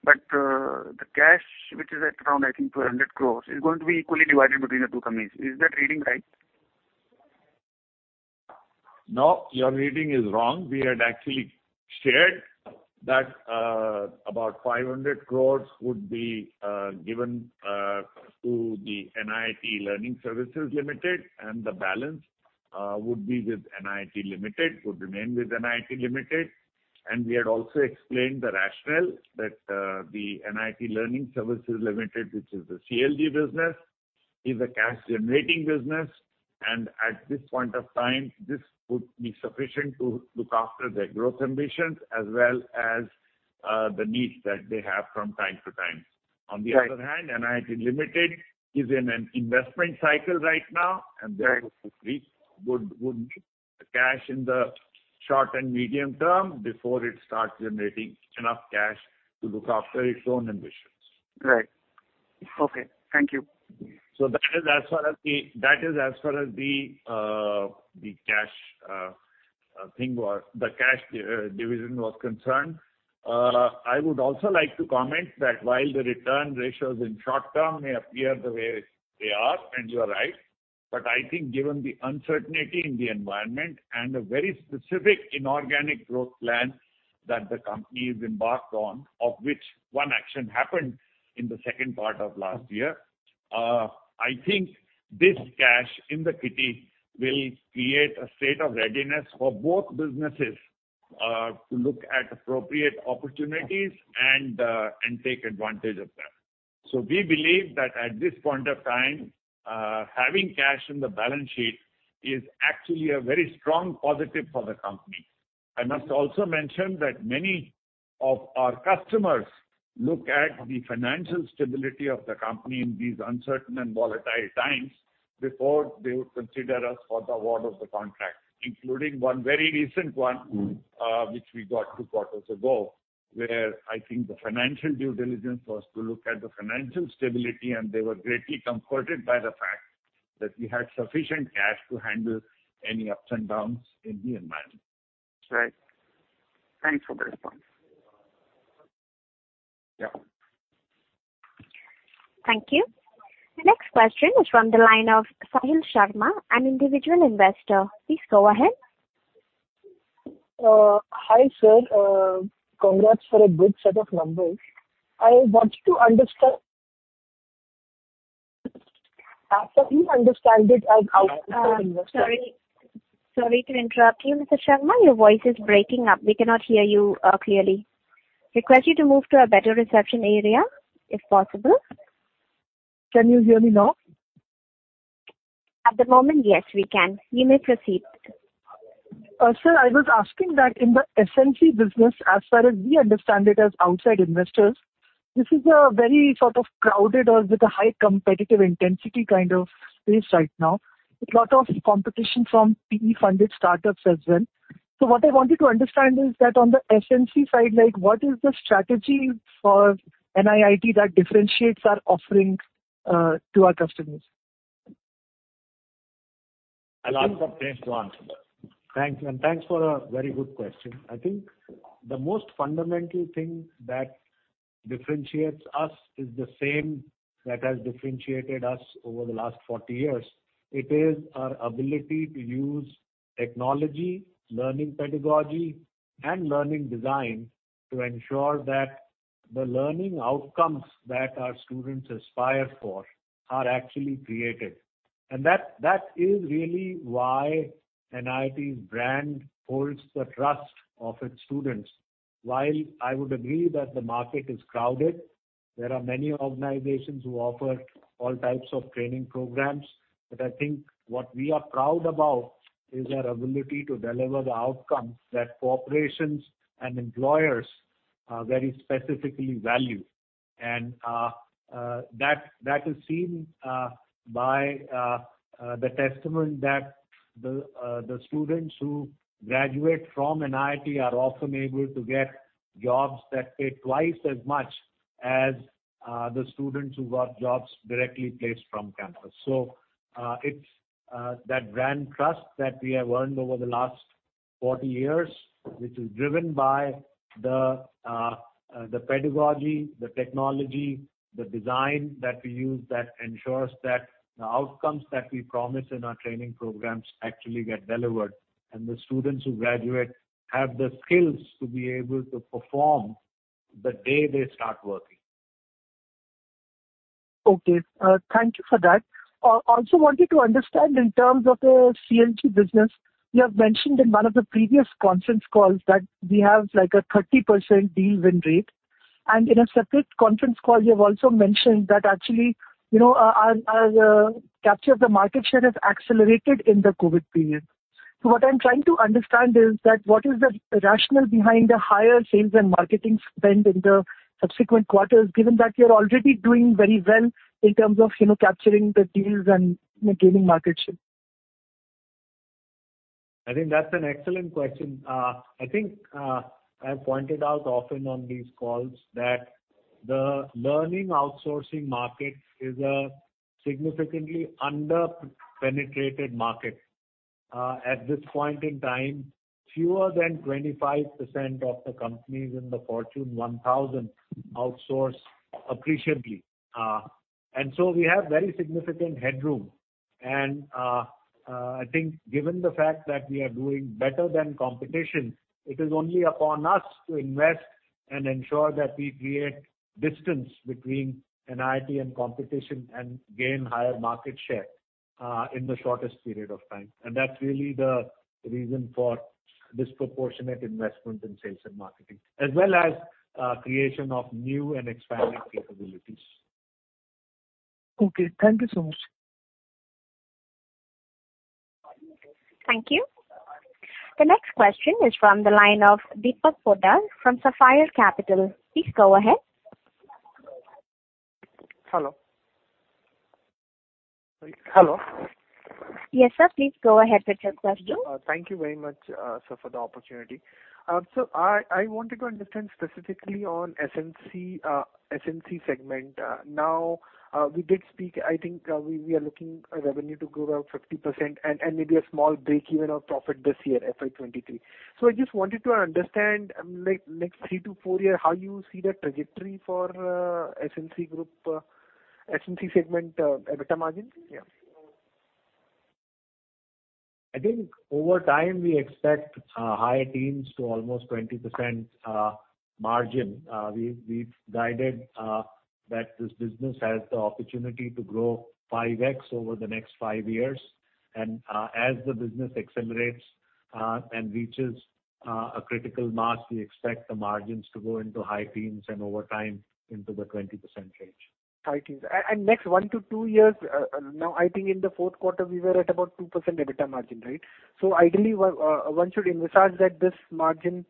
but the cash, which is at around I think 200 crore, is going to be equally divided between the two companies. Is that reading right? No, your reading is wrong. We had actually shared that about 500 crore would be given to the NIIT Learning Systems Limited, and the balance would be with NIIT Limited, would remain with NIIT Limited. We had also explained the rationale that the NIIT Learning Systems Limited, which is the CLG business, is a cash-generating business. At this point of time, this would be sufficient to look after their growth ambitions as well as the needs that they have from time to time. Right. On the other hand, NIIT Limited is in an investment cycle right now. Right. And therefore would need cash in the short and medium term before it starts generating enough cash to look after its own ambitions. Right. Okay. Thank you. That is as far as the cash division was concerned. I would also like to comment that while the return ratios in short term may appear the way they are, and you are right, but I think given the uncertainty in the environment and a very specific inorganic growth plan that the company has embarked on, of which one action happened in the second part of last year, I think this cash in the kitty will create a state of readiness for both businesses, to look at appropriate opportunities and take advantage of that. We believe that at this point of time, having cash in the balance sheet is actually a very strong positive for the company. I must also mention that many of our customers look at the financial stability of the company in these uncertain and volatile times before they would consider us for the award of the contract, including one very recent one, which we got two quarters ago, where I think the financial due diligence was to look at the financial stability, and they were greatly comforted by the fact that we had sufficient cash to handle any ups and downs in the environment. Right. Thanks for the response. Yeah. Thank you. The next question is from the line of Sahil Sharma, an individual investor. Please go ahead. Hi, sir. Congrats for a good set of numbers. I want to understand. As we understand it, as outside investors. Sorry to interrupt you, Mr. Sharma. Your voice is breaking up. We cannot hear you clearly. Request you to move to a better reception area if possible. Can you hear me now? At the moment, yes, we can. You may proceed. Sir, I was asking that in the SNC business, as far as we understand it as outside investors, this is a very sort of crowded or with a high competitive intensity kind of space right now, with lot of competition from PE-funded startups as well. What I wanted to understand is that on the SNC side, like what is the strategy for NIIT that differentiates our offerings, to our customers? I'll ask Sapnesh to answer that. Thanks. Thanks for a very good question. I think the most fundamental thing that differentiates us is the same that has differentiated us over the last 40 years. It is our ability to use technology, learning pedagogy, and learning design to ensure that the learning outcomes that our students aspire for are actually created. That is really why NIIT's brand holds the trust of its students. While I would agree that the market is crowded, there are many organizations who offer all types of training programs, but I think what we are proud about is our ability to deliver the outcomes that corporations and employers very specifically value. That is seen by the testament that the students who graduate from NIIT are often able to get jobs that pay twice as much as the students who got jobs directly placed from campus. It's that brand trust that we have earned over the last 40 years, which is driven by the pedagogy, the technology, the design that we use that ensures that the outcomes that we promise in our training programs actually get delivered, and the students who graduate have the skills to be able to perform the day they start working. Okay. Thank you for that. Also wanted to understand in terms of, CLG business, you have mentioned in one of the previous conference calls that we have like a 30% deal win rate. In a separate conference call, you have also mentioned that actually, you know, our capture of the market share has accelerated in the COVID period. What I'm trying to understand is that what is the rationale behind the higher sales and marketing spend in the subsequent quarters, given that you're already doing very well in terms of, you know, capturing the deals and gaining market share? I think that's an excellent question. I think I have pointed out often on these calls that the learning outsourcing market is a significantly under-penetrated market. At this point in time, fewer than 25% of the companies in the Fortune 1,000 outsource appreciably. We have very significant headroom. I think given the fact that we are doing better than competition, it is only upon us to invest and ensure that we create distance between NIIT and competition, and gain higher market share in the shortest period of time. That's really the reason for disproportionate investment in sales and marketing, as well as creation of new and expanding capabilities. Okay. Thank you so much. Thank you. The next question is from the line of Deepak Poddar from Sapphire Capital. Please go ahead. Hello? Hello? Yes, sir. Please go ahead with your question. Thank you very much, sir, for the opportunity. I wanted to understand specifically on SNC segment. Now, we did speak, I think, we are looking at revenue to grow 50% and maybe a small breakeven or profit this year, FY 2023. I just wanted to understand next three to four years, how you see the trajectory for SNC segment, EBITDA margin? I think over time, we expect high teens to almost 20% margin. We've guided that this business has the opportunity to grow 5x over the next five years. As the business accelerates and reaches a critical mass, we expect the margins to go into high teens and over time into the 20% range. High teens. Next one to two years, now, I think in the fourth quarter we were at about 2% EBITDA margin, right? Ideally, one should envisage that this margin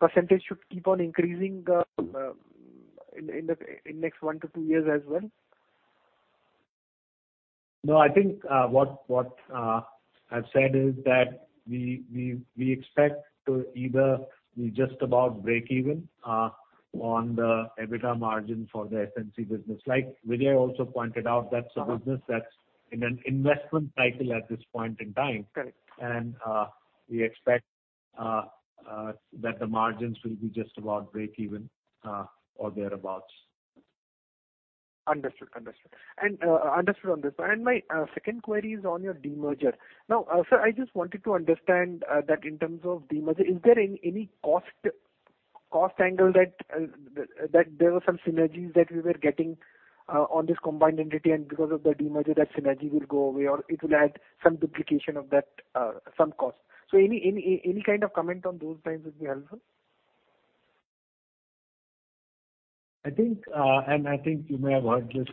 percentage should keep on increasing, in next one to two years as well? No, I think what I've said is that we expect to either be just about breakeven on the EBITDA margin for the SNC business. Like Vijay also pointed out, that's a business that's in an investment cycle at this point in time. Correct. We expect that the margins will be just about breakeven or thereabouts. Understood. Understood on this. My second query is on your demerger. Now, sir, I just wanted to understand that in terms of demerger, is there any cost angle that there were some synergies that we were getting on this combined entity, and because of the demerger that synergy will go away or it will add some duplication of that, some cost. Any kind of comment on those lines would be helpful. I think, and I think you may have heard this,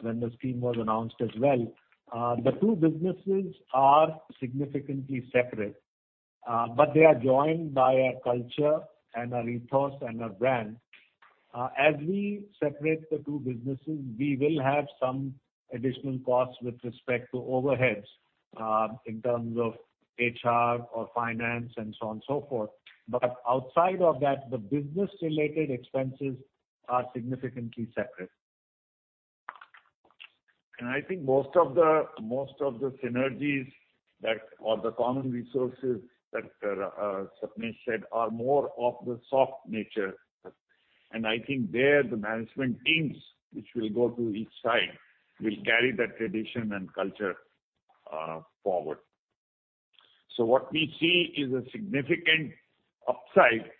when the scheme was announced as well, the two businesses are significantly separate, but they are joined by a culture and a ethos and a brand. As we separate the two businesses, we will have some additional costs with respect to overheads, in terms of HR or finance and so on and so forth. Outside of that, the business related expenses are significantly separate. I think most of the synergies or the common resources that Sapnesh Lalla said, are more of the soft nature. I think there the management teams which will go to each side will carry that tradition and culture, forward. What we see is a significant upside,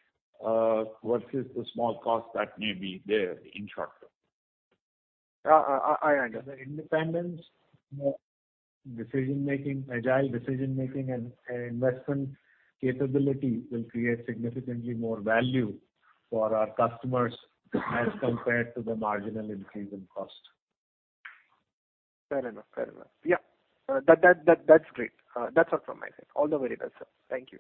versus the small cost that may be there in short term. I understand. Independence, decision making, agile decision making and investment capability will create significantly more value for our customers as compared to the marginal increase in cost. Fair enough. Yeah. That's great. That's all from my side. All the very best, sir. Thank you.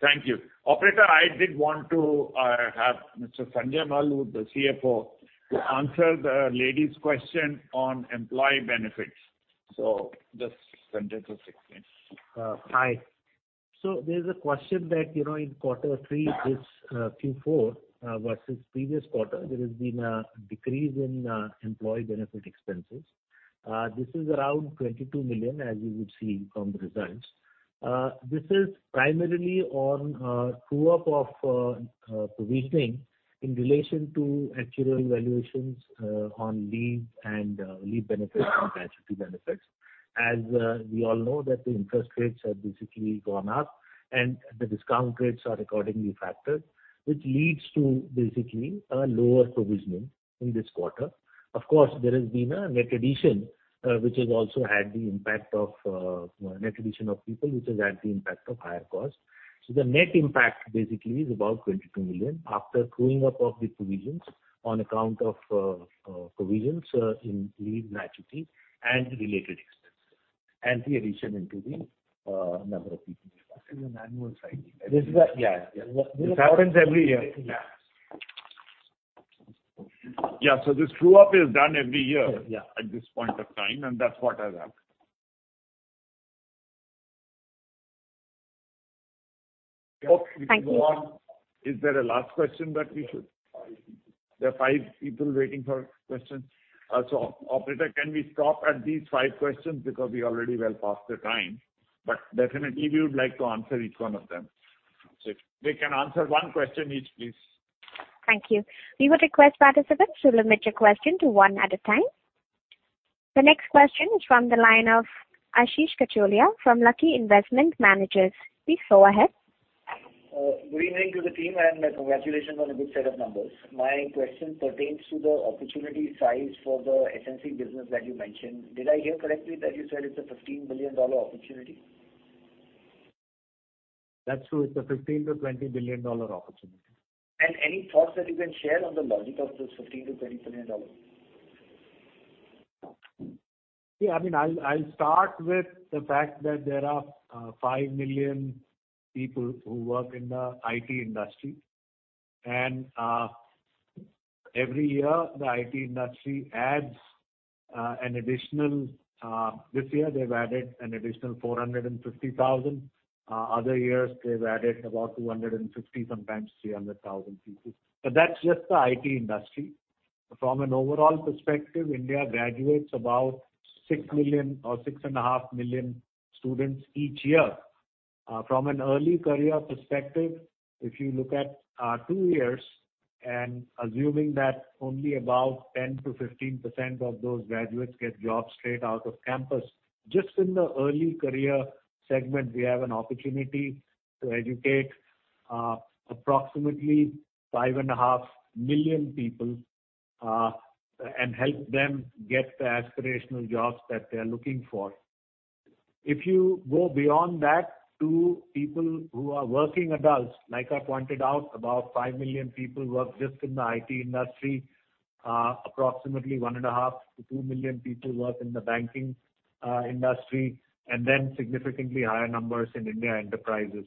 Thank you. Operator, I did want to have Mr. Sanjay Mal, the CFO, to answer the lady's question on employee benefits. Just Sanjay to explain. Hi. There's a question that, you know, in quarter three, this Q4 versus previous quarter, there has been a decrease in employee benefit expenses. This is around 22 million, as you would see from the results. This is primarily on true up of provisioning in relation to actuarial valuations on leave and leave benefits and gratuity benefits. As we all know that the interest rates have basically gone up and the discount rates are accordingly factored, which leads to basically a lower provisioning in this quarter. Of course, there has been a net addition, which has also had the impact of net addition of people, which has had the impact of higher cost. The net impact basically is about 22 million after truing up of the provisions on account of provisions in leave gratuity and related expenses. The addition into the number of people. This is an annual cycle. This is a- Yeah, yeah. This happens every year. Yeah. This true-up is done every year. Yeah. At this point of time, and that's what has happened. Okay. Thank you. If you go on, is there a last question that we should. There are five people waiting for questions. Operator, can we stop at these five questions because we're already well past the time. Definitely we would like to answer each one of them. If they can answer one question each, please. Thank you. We would request participants to limit your question to one at a time. The next question is from the line of Ashish Kacholia from Lucky Investment Managers. Please go ahead. Good evening to the team, and congratulations on a good set of numbers. My question pertains to the opportunity size for the SNC business that you mentioned. Did I hear correctly that you said it's a $15 billion opportunity? That's true. It's a $15 billion-$20 billion opportunity. Any thoughts that you can share on the logic of this $15 billion-$20 billion? Yeah. I mean, I'll start with the fact that there are 5 million people who work in the IT industry. Every year, the IT industry adds an additional. This year they've added an additional 450,000. Other years they've added about 250,000, sometimes 300,000 people. That's just the IT industry. From an overall perspective, India graduates about 6 million or 6.5 million students each year. From an early career perspective, if you look at two years and assuming that only about 10%-15% of those graduates get jobs straight out of campus, just in the early career segment, we have an opportunity to educate approximately 5.5 million people and help them get the aspirational jobs that they're looking for. If you go beyond that to people who are working adults, like I pointed out, about 5 million people work just in the IT industry. Approximately 1.5 million-2 million people work in the banking industry, and then significantly higher numbers in Indian enterprises.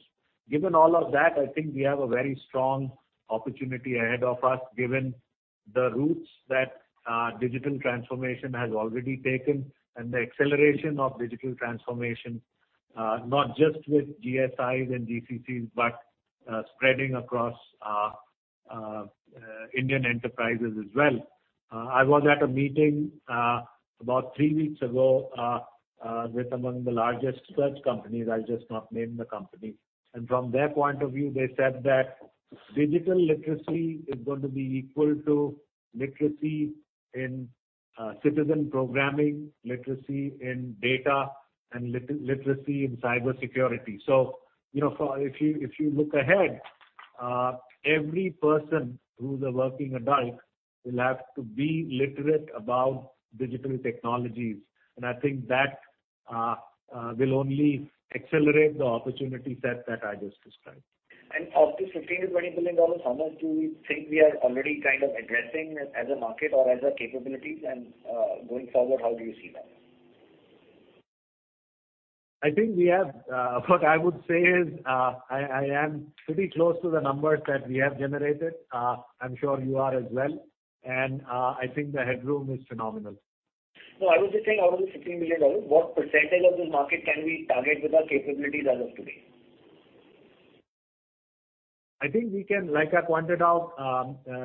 Given all of that, I think we have a very strong opportunity ahead of us, given the routes that digital transformation has already taken and the acceleration of digital transformation, not just with GSIs and GCCs, but spreading across Indian enterprises as well. I was at a meeting about three weeks ago with among the largest such companies. I'll just not name the company. From their point of view, they said that digital literacy is going to be equal to literacy in citizen programming, literacy in data and literacy in cybersecurity. If you look ahead, every person who's a working adult will have to be literate about digital technologies, and I think that will only accelerate the opportunity set that I just described. Of this $15 billion-$20 billion, how much do you think we are already kind of addressing as a market or as a capability? Going forward, how do you see that? What I would say is, I am pretty close to the numbers that we have generated. I'm sure you are as well. I think the headroom is phenomenal. No, I was just saying out of the $15 billion, what percentage of this market can we target with our capabilities as of today? Like I pointed out,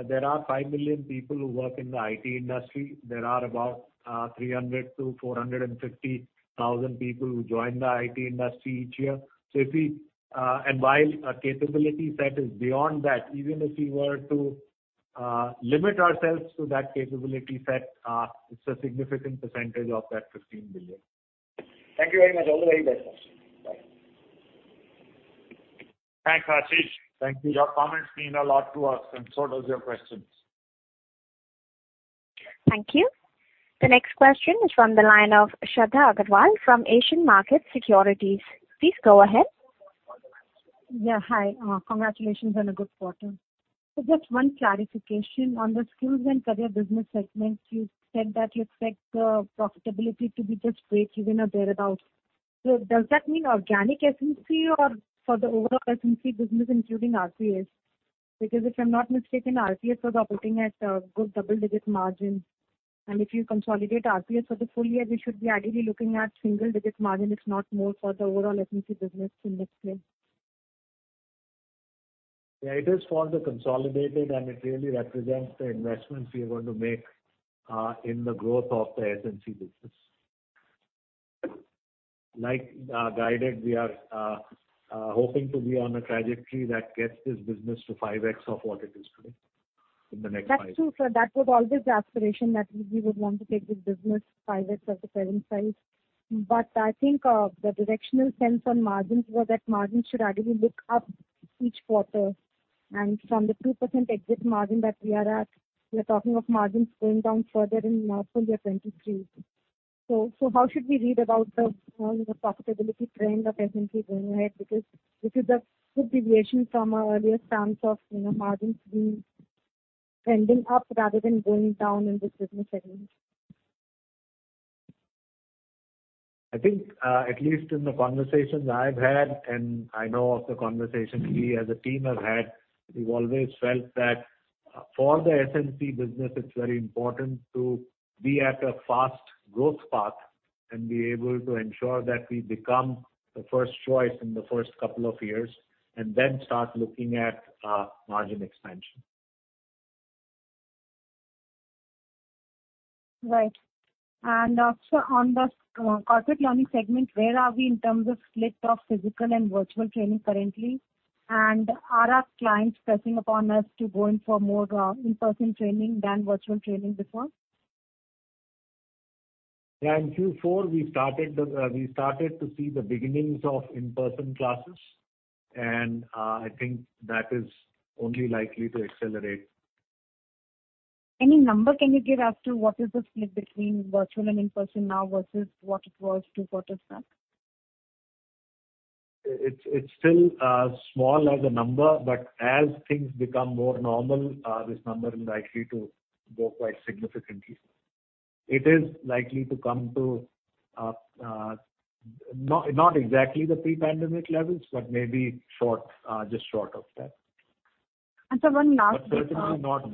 there are 5 million people who work in the IT industry. There are about 300 to 450,000 people who join the IT industry each year. While our capability set is beyond that, even if we were to limit ourselves to that capability set, it's a significant percentage of that 15 billion. Thank you very much. All the very best. Bye. Thanks, Ashish. Thank you. Your comments mean a lot to us, and so does your questions. Thank you. The next question is from the line of Shradha Agrawal from Asian Market Securities. Please go ahead. Yeah. Hi. Congratulations on a good quarter. Just one clarification. On the Skills & Careers business segment, you said that you expect the profitability to be just breakeven or thereabout. Does that mean organic SNC or for the overall SNC business, including RPS? Because if I'm not mistaken, RPS was operating at a good double-digit margin. If you consolidate RPS for the full year, we should be ideally looking at single-digit margin, if not more, for the overall SNC business in next year. Yeah, it is for the consolidated, and it really represents the investments we are going to make in the growth of the SNC business. Like, guided, we are hoping to be on a trajectory that gets this business to 5x of what it is today in the next five years. That's true, sir. That was always the aspiration that we would want to take this business 5x of the current size. I think the directional sense on margins was that margins should ideally look up each quarter. From the 2% exit margin that we are at, we're talking of margins going down further in full year 2023. How should we read about the profitability trend of SNC going ahead? Because this is a good deviation from our earlier stance of, you know, margins being trending up rather than going down in this business segment. I think, at least in the conversations I've had, and I know of the conversations we as a team have had, we've always felt that for the SNC business, it's very important to be at a fast growth path and be able to ensure that we become the first choice in the first couple of years and then start looking at margin expansion. Right. Also on the corporate learning segment, where are we in terms of split of physical and virtual training currently? Are our clients pressing upon us to go in for more in-person training than virtual training before? Yeah. In Q4 we started to see the beginnings of in-person classes. I think that is only likely to accelerate. Can you give any number as to what is the split between virtual and in-person now versus what it was two quarters back? It's still small as a number, but as things become more normal, this number is likely to grow quite significantly. It is likely to come to not exactly the pre-pandemic levels, but maybe just short of that. Sir, one last- Certainly not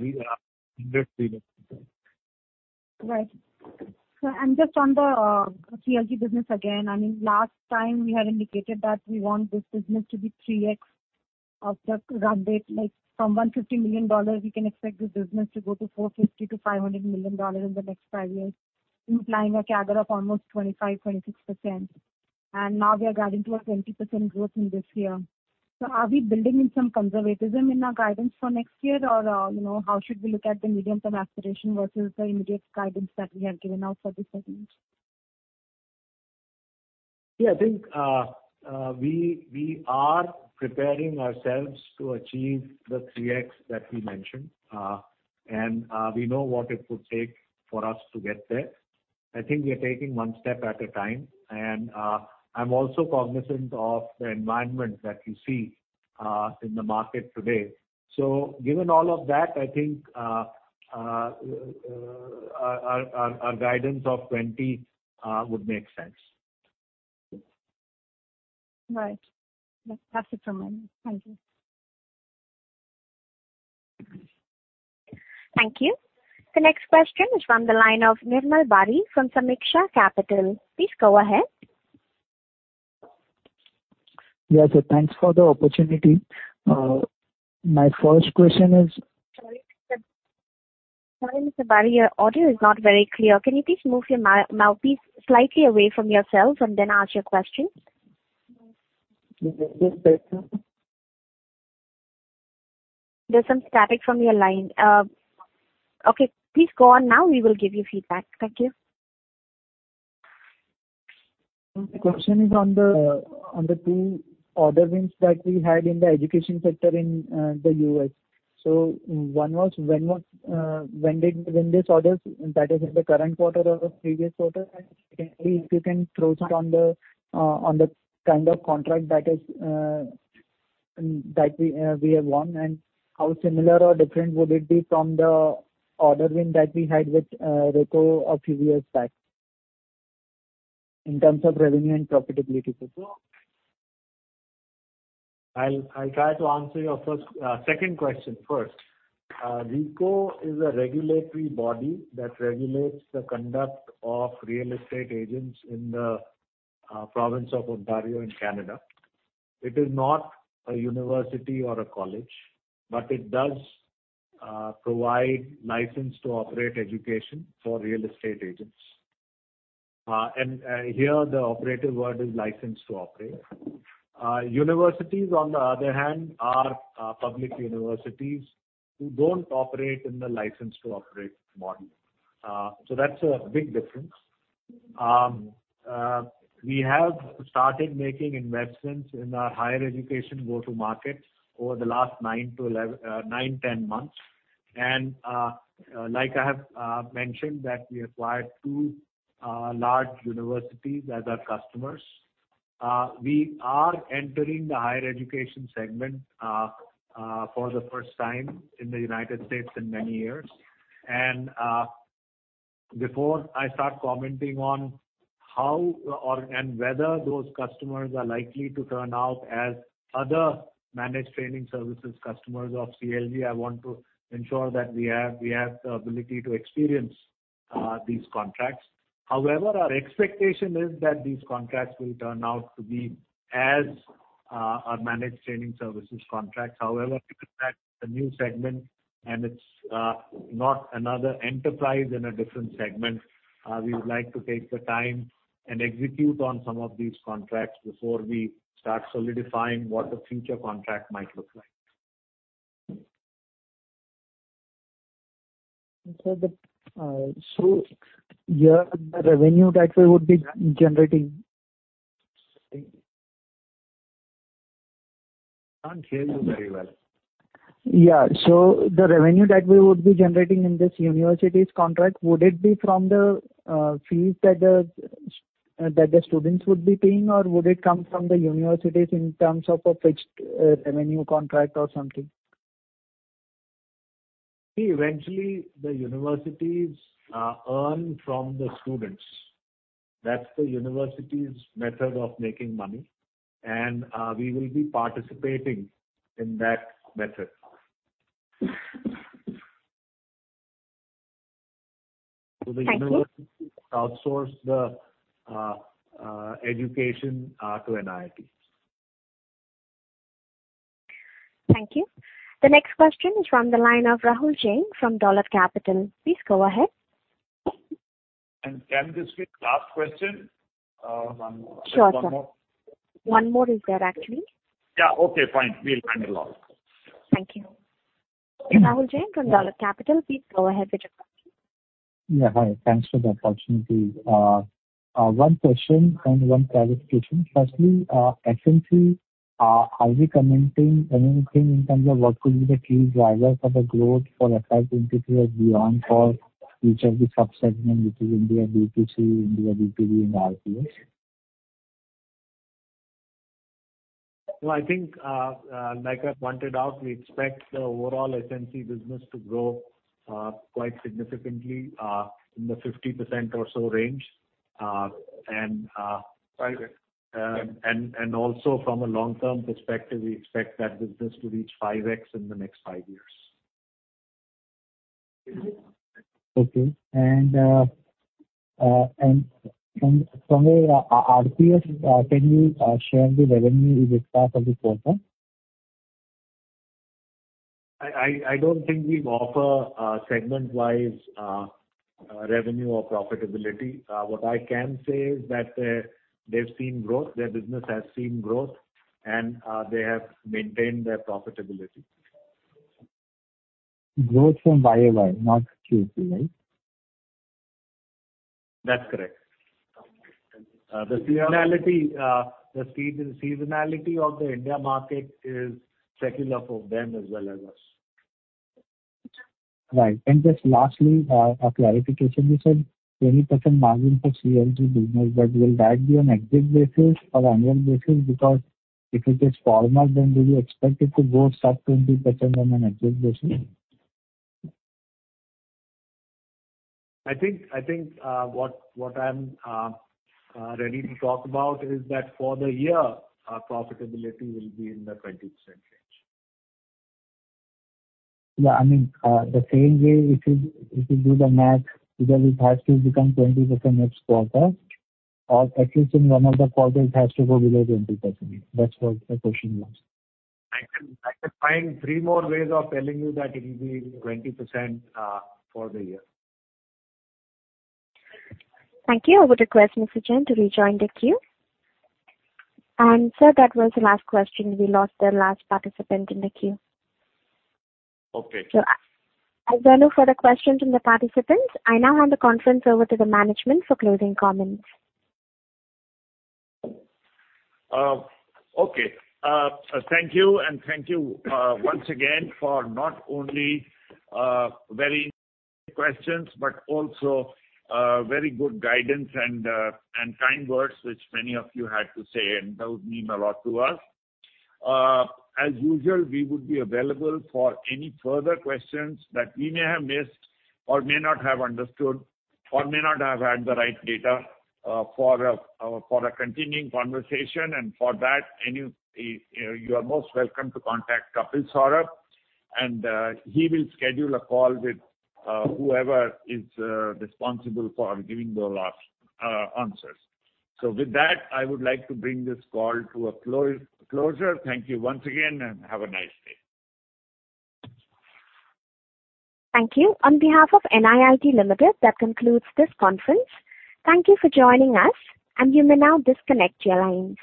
100%. Just on the CLG business again, I mean, last time we had indicated that we want this business to be 3x of the run rate. Like from $150 million, we can expect this business to go to $450 million-$500 million in the next five years, implying a CAGR of almost 25%-26%. Now we are guiding to a 20% growth in this year. Are we building in some conservatism in our guidance for next year? Or you know, how should we look at the medium-term aspiration versus the immediate guidance that we have given out for this segment? Yeah, I think we are preparing ourselves to achieve the 3x that we mentioned. We know what it would take for us to get there. I think we are taking one step at a time. I'm also cognizant of the environment that you see in the market today. Given all of that, I think our guidance of 20 would make sense. Right. That's it from my end. Thank you. Thank you. The next question is from the line of Nirmal Bari from Sameeksha Capital. Please go ahead. Yeah. Thanks for the opportunity. My first question is. Sorry, Mr. Bari, your audio is not very clear. Can you please move your microphone slightly away from yourself and then ask your question? Is this better? There's some static from your line. Okay, please go on now. We will give you feedback. Thank you. The question is on the two order wins that we had in the education sector in the U.S. One was when these orders that is in the current quarter or the previous quarter? Secondly, if you can throw some light on the kind of contract that we have won and how similar or different would it be from the order win that we had with RECO a few years back in terms of revenue and profitability profile? I'll try to answer your second question first. RECO is a regulatory body that regulates the conduct of real estate agents in the province of Ontario in Canada. It is not a university or a college, but it does provide license to operate education for real estate agents. Here the operative word is license to operate. Universities, on the other hand, are public universities who don't operate in the license to operate model. That's a big difference. We have started making investments in our higher education go-to-market over the last nine, ten months. Like I have mentioned that we acquired two large universities as our customers. We are entering the higher education segment for the first time in the United States in many years. Before I start commenting on how or whether those customers are likely to turn out as other managed training services customers of CLG, I want to ensure that we have the ability to experience these contracts. However, our expectation is that these contracts will turn out to be as our managed training services contracts. However, because that's a new segment and it's not another enterprise in a different segment, we would like to take the time and execute on some of these contracts before we start solidifying what the future contract might look like. Here the revenue that we would be generating. I can't hear you very well. Yeah. The revenue that we would be generating in this university's contract, would it be from the fees that the students would be paying or would it come from the universities in terms of a fixed revenue contract or something? See, eventually the universities earn from the students. That's the university's method of making money. We will be participating in that method. Thank you. The university outsource the education to NIIT. Thank you. The next question is from the line of Rahul Jain from Dolat Capital. Please go ahead. Can this be the last question? One more. Sure, sir. Just one more. One more is there, actually? Yeah. Okay, fine. We'll hang along. Thank you. Rahul Jain from Dolat Capital, please go ahead with your question. Yeah. Hi. Thanks for the opportunity. One question and one clarification. Firstly, SNC, are we commenting anything in terms of what could be the key drivers for the growth for FY 2023 and beyond for each of the subsegment, which is India B2C, India B2B and RPS? No, I think, like I pointed out, we expect the overall SNC business to grow quite significantly in the 50% or so range. Five years. From a long-term perspective, we expect that business to reach 5x in the next five years. Okay. From RPS, can you share the revenue with us of this quarter? I don't think we offer segment-wise revenue or profitability. What I can say is that they've seen growth. Their business has seen growth, and they have maintained their profitability. Growth from YoY, not QoQ? That's correct. Okay. Thank you. The seasonality of the India market is secular for them as well as us. Right. Just lastly, a clarification. You said 20% margin for CLG business, but will that be on exit basis or annual basis? Because if it is former, then do you expect it to go sub 20% on an exit basis? I think what I'm ready to talk about is that for the year, our profitability will be in the 20% range. Yeah. I mean, the same way if you do the math, because it has to become 20% next quarter, or at least in one of the quarters it has to go below 20%. That's what the question was. I can find three more ways of telling you that it will be 20% for the year. Thank you. I would request Mr. Jain to rejoin the queue. Sir, that was the last question. We lost the last participant in the queue. Okay. As there are no further questions from the participants, I now hand the conference over to the management for closing comments. Okay. Thank you, and thank you once again for not only your questions, but also very good guidance and kind words which many of you had to say, and that would mean a lot to us. As usual, we would be available for any further questions that we may have missed or may not have understood or may not have had the right data for a continuing conversation. For that, you are most welcome to contact Kapil Saurabh, and he will schedule a call with whoever is responsible for giving the answers. With that, I would like to bring this call to a close. Thank you once again, and have a nice day. Thank you. On behalf of NIIT Limited, that concludes this conference. Thank you for joining us, and you may now disconnect your lines.